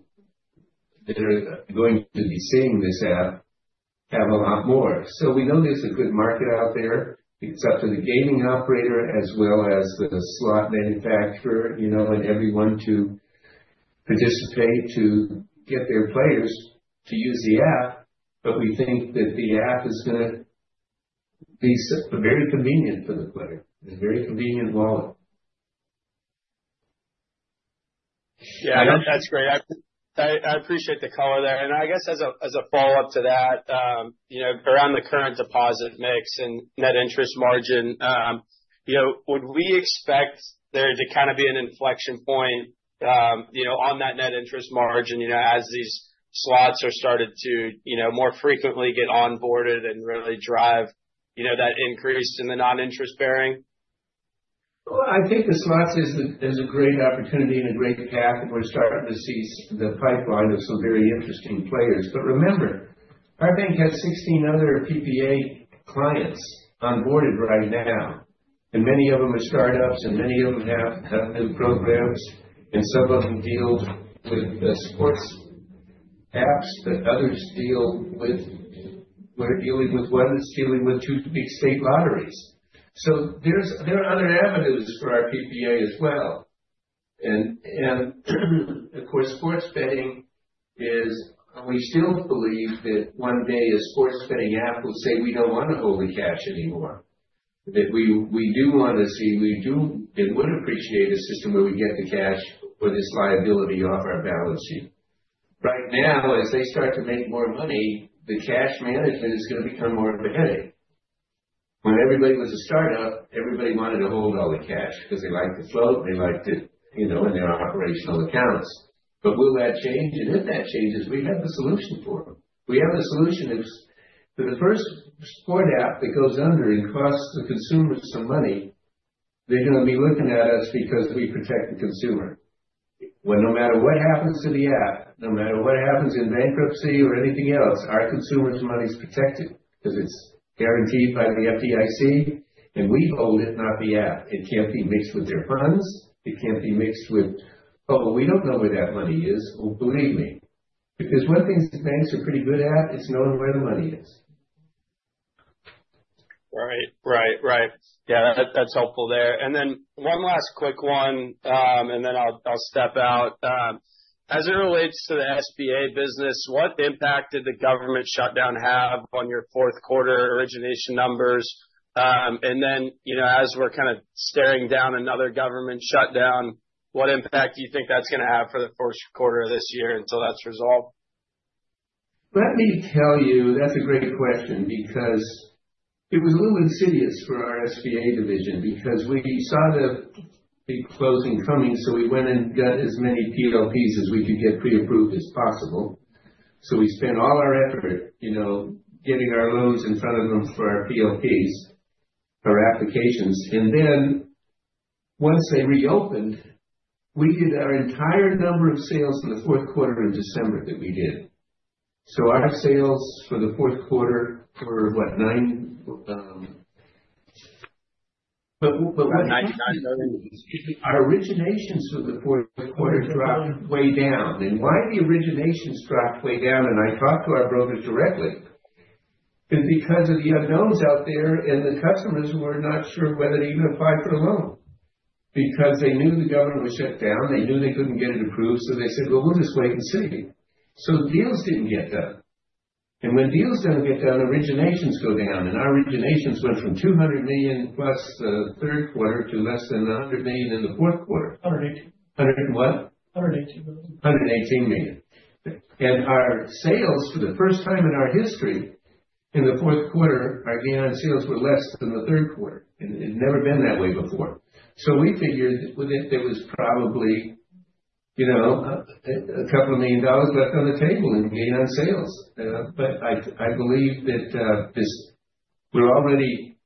B: that are going to be seeing this app, have a lot more. So we know there's a good market out there. It's up to the gaming operator, as well as the slot manufacturer, you know, and everyone to participate, to get their players to use the app. But we think that the app is gonna be very convenient for the player, and very convenient wallet.
E: Yeah, I think that's great. I appreciate the color there, and I guess as a follow-up to that, you know, around the current deposit mix and net interest margin, you know, would we expect there to kind of be an inflection point, you know, on that net interest margin, you know, as these slots are started to, you know, more frequently get onboarded and really drive, you know, that increase in the non-interest bearing?
B: Well, I think the slots is a great opportunity and a great path, and we're starting to see the pipeline of some very interesting players. But remember, our bank has 16 other PPA clients onboarded right now, and many of them are startups, and many of them have new programs, and some of them deal with sports apps that others deal with. One is dealing with 2 big state lotteries. So there are other avenues for our PPA as well. And of course, sports betting is... We still believe that one day a sports betting app will say, "We don't want to hold the cash anymore, that we, we do want to see, we do and would appreciate a system where we get the cash for this liability off our balance sheet." Right now, as they start to make more money, the cash management is gonna become more of a headache. When everybody was a startup, everybody wanted to hold all the cash because they liked the flow, they liked it, you know, in their operational accounts. But will that change? And if that changes, we have the solution for them. We have a solution, for the first sport app that goes under and costs the consumer some money, they're gonna be looking at us because we protect the consumer. Well, no matter what happens to the app, no matter what happens in bankruptcy or anything else, our consumers' money is protected because it's guaranteed by the FDIC, and we hold it, not the app. It can't be mixed with their funds. It can't be mixed with, "Oh, we don't know where that money is." Well, believe me, because one thing banks are pretty good at, is knowing where the money is.
E: Right. Right, right. Yeah, that, that's helpful there. And then one last quick one, and then I'll, I'll step out. As it relates to the SBA business, what impact did the government shutdown have on your fourth quarter origination numbers? And then, you know, as we're kind of staring down another government shutdown, what impact do you think that's gonna have for the first quarter of this year until that's resolved?
B: Let me tell you, that's a great question, because it was a little insidious for our SBA division, because we saw the big closing coming, so we went and got as many PLPs as we could get pre-approved as possible. So we spent all our effort, you know, getting our loans in front of them for our PLPs, our applications. And then, once they reopened, we did our entire number of sales in the fourth quarter in December that we did. So our sales for the fourth quarter were, what...
C: But $9.9 million.
B: Our originations for the fourth quarter dropped way down. And why the originations dropped way down, and I talked to our brokers directly, is because of the unknowns out there, and the customers were not sure whether to even apply for a loan. Because they knew the government was shut down, they knew they couldn't get it approved, so they said, "Well, we'll just wait and see." So deals didn't get done. And when deals don't get done, originations go down, and our originations went from $200 million+, the third quarter to less than $100 million in the fourth quarter.
C: $118 million.
B: Hundred and what?
C: $118 million.
B: $118 million. Our sales, for the first time in our history, in the fourth quarter, our gain on sales were less than the third quarter. And it'd never been that way before. So we figured that there was probably, you know, a couple of million dollars left on the table in gain on sales. But I believe that this, we're already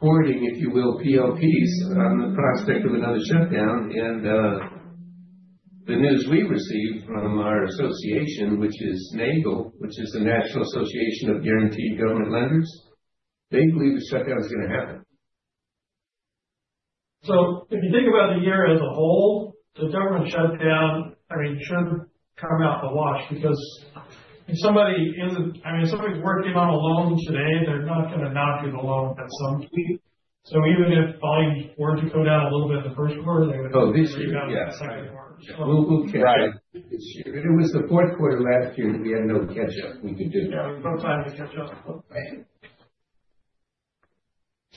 B: hoarding, if you will, PLPs on the prospect of another shutdown, and the news we received from our association, which is NAGGL, which is the National Association of Government Guaranteed Lenders, they believe the shutdown is gonna happen.
C: So if you think about the year as a whole, the government shutdown, I mean, shouldn't come out in the wash. Because if somebody's working on a loan today, they're not gonna not get a loan at some point. So even if volume were to go down a little bit in the first quarter, they would-
B: Oh, this year? Yes.
C: Go down in the second quarter.
B: Right. It was the fourth quarter last year, we had no catch up. We could do that.
C: Yeah, no time to catch up.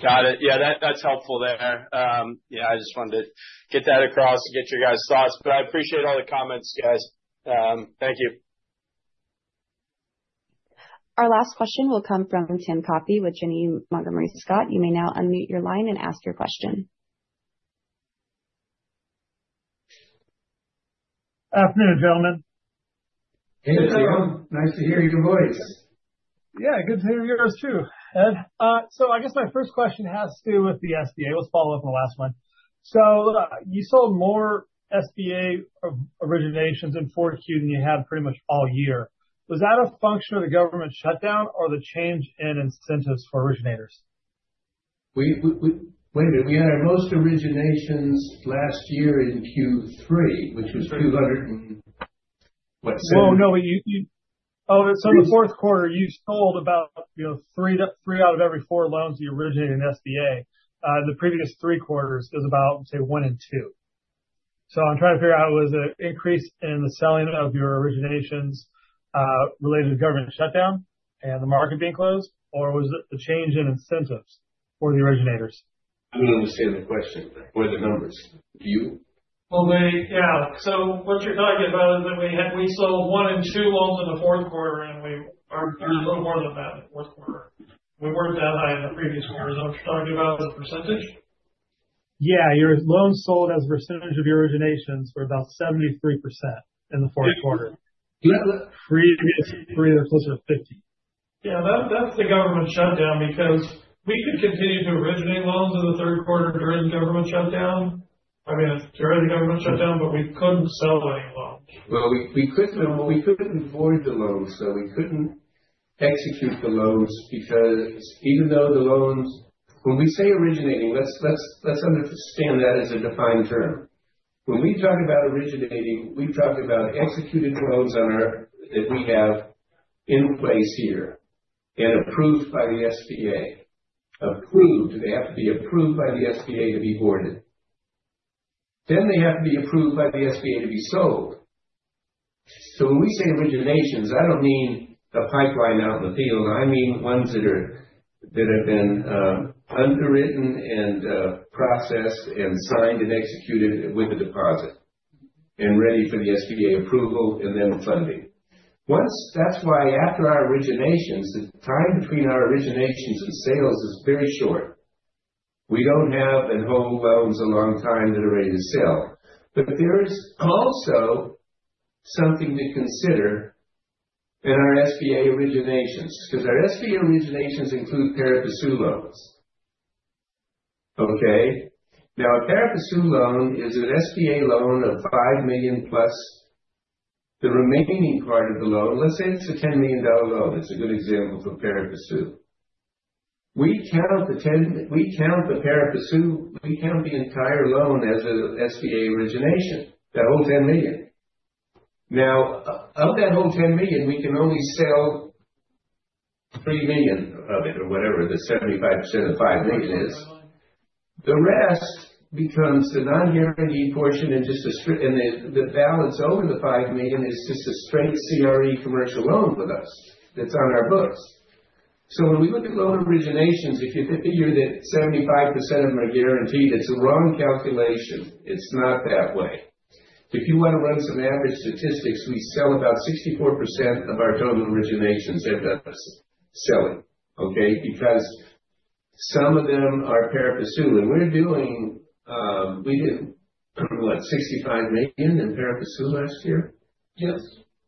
E: Got it. Yeah, that, that's helpful there. Yeah, I just wanted to get that across and get your guys' thoughts, but I appreciate all the comments, guys. Thank you.
A: Our last question will come from Tim Coffey with Janney Montgomery Scott. You may now unmute your line and ask your question.
F: Afternoon, gentlemen.
B: Hey, Tim. Nice to hear your voice.
F: Yeah, good to hear yours, too. And, so I guess my first question has to do with the SBA. Let's follow up on the last one. So you sold more SBA originations in 4Q than you have pretty much all year. Was that a function of the government shutdown or the change in incentives for originators?
B: Wait a minute. We had our most originations last year in Q3, which was 207?
F: Well, no. Oh, so the fourth quarter, you sold about, you know, 3 to 3 out of every 4 loans you originated in SBA. The previous three quarters is about, say, one and two. So I'm trying to figure out, was the increase in the selling of your originations related to government shutdown and the market being closed, or was it the change in incentives for the originators?
B: I don't understand the question or the numbers. Do you?
C: Well, yeah. So what you're talking about is that we had—we sold 1 in 2 loans in the fourth quarter, and we are a little more than that in the fourth quarter. We weren't that high in the previous quarters. Are you talking about the percentage?
F: Yeah. Your loans sold as a percentage of your originations were about 73% in the fourth quarter.
B: Yeah.
F: 3, 3, closer to 50.
C: Yeah. That's the government shutdown, because we could continue to originate loans in the third quarter during the government shutdown. I mean, during the government shutdown, but we couldn't sell any loans.
B: Well, we couldn't board the loans, so we couldn't execute the loans, because even though the loans... When we say originating, let's understand that as a defined term. When we talk about originating, we talk about executing loans on our, that we have in place here and approved by the SBA. Approved. They have to be approved by the SBA to be boarded. Then they have to be approved by the SBA to be sold. So when we say originations, I don't mean the pipeline out in the field. I mean, ones that are, that have been, underwritten and, processed and signed and executed with a deposit, and ready for the SBA approval and then funding. That's why after our originations, the time between our originations and sales is very short. We don't have and hold loans a long-time that are ready to sell. But there is also something to consider in our SBA originations, because our SBA originations include pari passu loans. Okay? Now, a pari passu loan is an SBA loan of $5 million+. The remaining part of the loan, let's say it's a $10 million loan. It's a good example for pari passu. We count the pari passu, we count the entire loan as a SBA origination, that whole $10 million. Now, of that whole $10 million, we can only sell $3 million of it or whatever the 75% of the $5 million is. The rest becomes the non-guaranteed portion and just a straight and the balance over the $5 million is just a straight CRE commercial loan with us that's on our books. So when we look at loan originations, if you figure that 75% of them are guaranteed, it's the wrong calculation. It's not that way. If you want to run some average statistics, we sell about 64% of our total originations end up selling, okay? Because some of them are pari passu, and we're doing, we did, what, $65 million in pari passu last year?
C: Yes.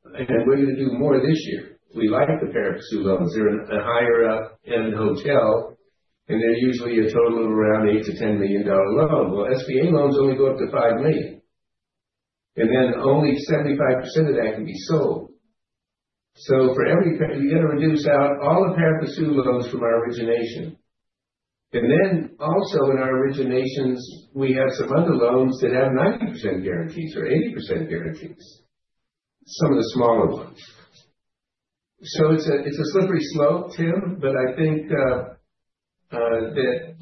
B: We're gonna do more this year. We like the pari passu loans. They're a higher-end hotel, and they're usually a total of around $8 million-$10 million loan. Well, SBA loans only go up to $5 million, and then only 75% of that can be sold. So for every pari passu loan we got to reduce out all the pari passu loans from our origination. And then, also in our originations, we have some other loans that have 90% guarantees or 80% guarantees, some of the smaller ones. So it's a slippery slope, Tim, but I think that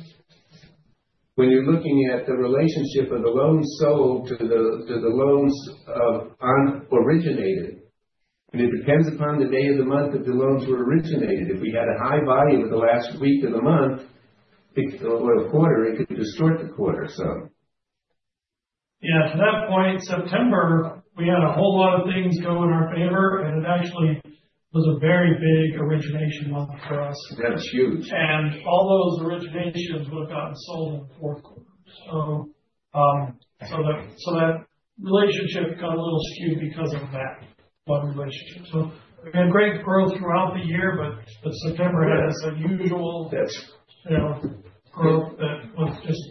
B: when you're looking at the relationship of the loans sold to the loans originated, and it depends upon the day of the month that the loans were originated. If we had a high volume in the last week of the month, it could, or the quarter, it could distort the quarter, so.
C: Yeah, to that point, September, we had a whole lot of things go in our favor, and it actually was a very big origination month for us.
B: Yeah, it was huge.
C: And all those originations would have gotten sold in the fourth quarter. So, so that, so that relationship got a little skewed because of that loan relationship. So again, great growth throughout the year, but September had this unusual-
B: Yes.
C: You know, growth that was just...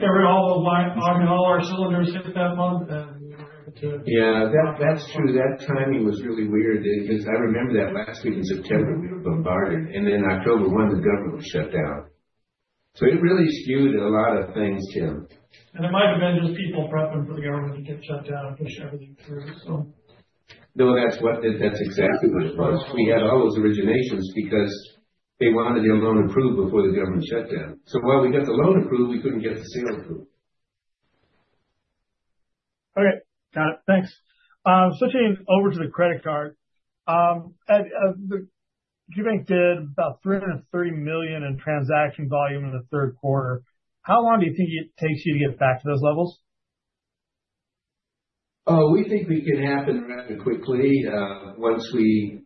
C: all of our, I mean, all our cylinders hit that month, and we were able to-
B: Yeah, that, that's true. That timing was really weird because I remember that last week in September, we were bombarded, and then October one, the government shut down. So it really skewed a lot of things, Tim.
C: It might have been just people prepping for the government to get shut down and push everything through, so.
B: No, that's what... That, that's exactly what it was. We had all those originations because they wanted their loan approved before the government shut down. So while we got the loan approved, we couldn't get the sale approved.
F: Okay, got it. Thanks. Switching over to the credit card. Ed, the GBank did about $330 million in transaction volume in the third quarter. How long do you think it takes you to get back to those levels?
B: We think we can have it rather quickly, once we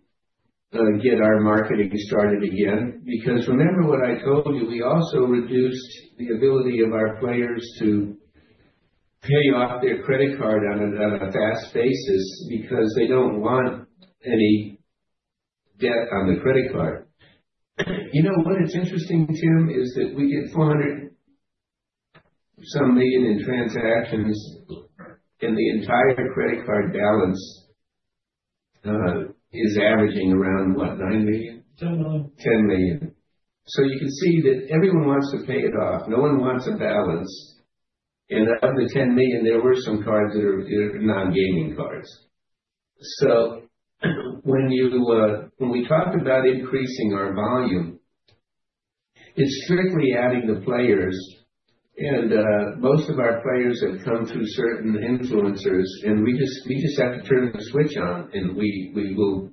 B: get our marketing started again. Because remember what I told you, we also reduced the ability of our players to pay off their credit card on a fast basis because they don't want any debt on the credit card. You know what is interesting, Tim, is that we get $400 million in transactions, and the entire credit card balance is averaging around what, $9 million?
C: $10 million.
B: $10 million. So you can see that everyone wants to pay it off. No one wants a balance, and of the $10 million, there were some cards that are non-gaming cards. So when you, when we talk about increasing our volume, it's strictly adding the players and, most of our players have come through certain influencers, and we just, we just have to turn the switch on, and we, we will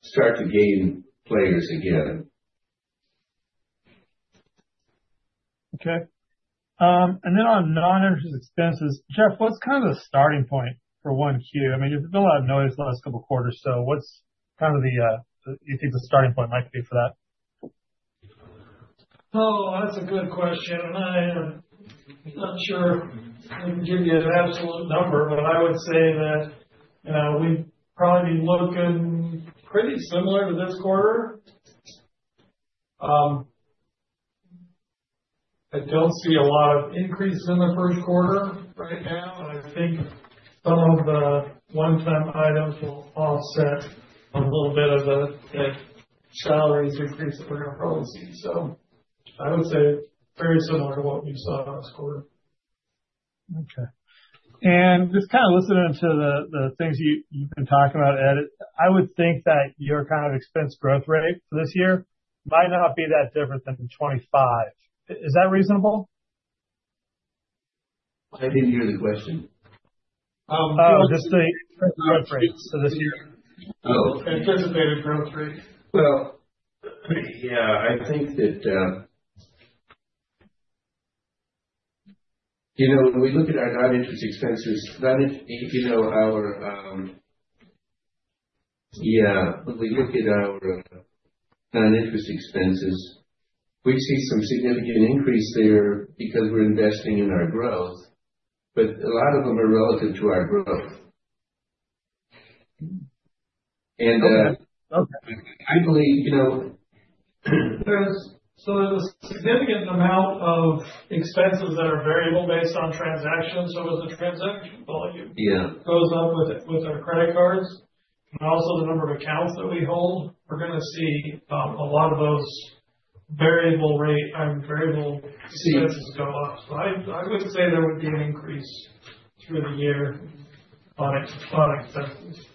B: start to gain players again.
F: Okay. And then on non-interest expenses, Jeff, what's kind of the starting point for 1Q? I mean, there's been a lot of noise the last couple of quarters, so what's kind of the, you think the starting point might be for that?
C: Oh, that's a good question, and I am not sure I can give you an absolute number, but I would say that, we'd probably be looking pretty similar to this quarter. I don't see a lot of increase in the first quarter right now, and I think some of the one-time items will offset a little bit of the salaries increase that we're going to probably see. So I would say very similar to what you saw last quarter.
F: Okay. Just kind of listening to the things you've been talking about, Ed, I would think that your kind of expense growth rate for this year might not be that different than 25%. Is that reasonable?
B: I didn't hear the question.
F: Just the growth rate for this year.
C: Anticipated growth rate.
B: Well, yeah, I think that. You know, when we look at our non-interest expenses, we see some significant increase there because we're investing in our growth, but a lot of them are relative to our growth. And, I believe, you know-
C: So there's a significant amount of expenses that are variable based on transaction. So as the transaction volume-
B: Yeah.
C: goes up with our credit cards and also the number of accounts that we hold, we're gonna see a lot of those variable rate variable expenses go up. So I would say there would be an increase through the year on expenses.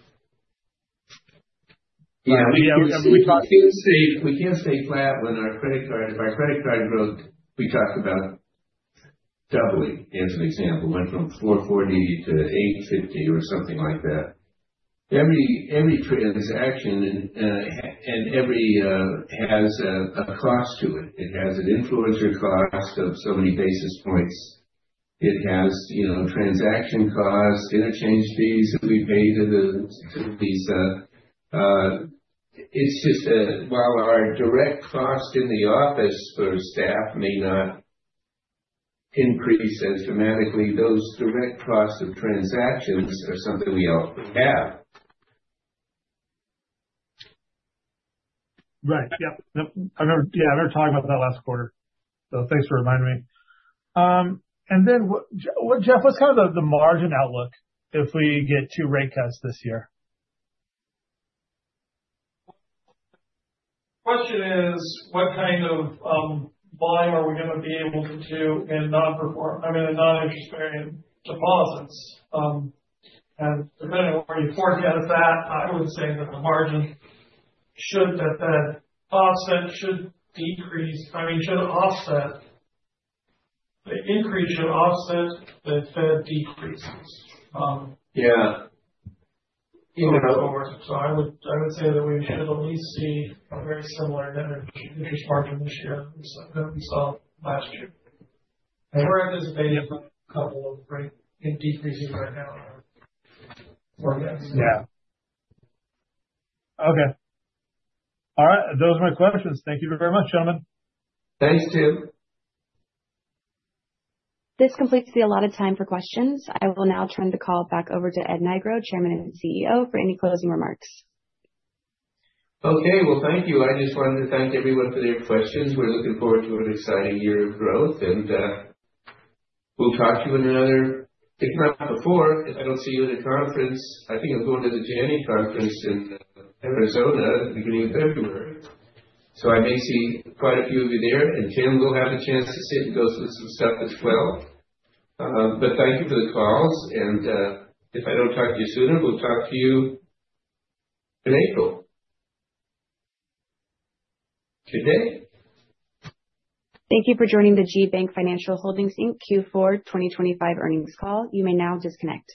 B: Yeah, we can stay flat with our credit card. If our credit card growth, we talked about doubling, as an example, went from 440 to 850 or something like that. Every transaction and every has a cost to it. It has an interchange cost of so many basis points. It has, you know, transaction costs, interchange fees that we pay to Visa. It's just that while our direct cost in the office for staff may not increase dramatically, those direct costs of transactions are something we all have.
F: Right. Yep. Yep. I remember, yeah, I remember talking about that last quarter, so thanks for reminding me. And then what, J- what Jeff, what's kind of the, the margin outlook if we get two rate cuts this year?
C: Question is, what kind of volume are we gonna be able to do in non-interest bearing deposits? And depending on where you forecast that, I would say that the margin should, that the offset should decrease, I mean, should offset. The increase should offset the Fed decreases.
B: Yeah.
C: So I would, I would say that we should at least see a very similar net interest margin this year as that we saw last year. And we're anticipating a couple of rate decreases right now in our forecast.
B: Yeah.
F: Okay. All right, those are my questions. Thank you very much, gentlemen.
B: Thanks, Tim.
A: This completes the allotted time for questions. I will now turn the call back over to Ed Nigro, Chairman and CEO, for any closing remarks.
B: Okay. Well, thank you. I just wanted to thank everyone for their questions. We're looking forward to an exciting year of growth, and we'll talk to you in another, if not before, if I don't see you at a conference. I think I'm going to the Janney Conference in Arizona at the beginning of February. So I may see quite a few of you there, and Tim will have a chance to sit and go through some stuff as well. But thank you for the calls, and if I don't talk to you sooner, we'll talk to you in April. Good day.
A: Thank you for joining the GBank Financial Holdings, Inc Q4 2025 earnings call. You may now disconnect.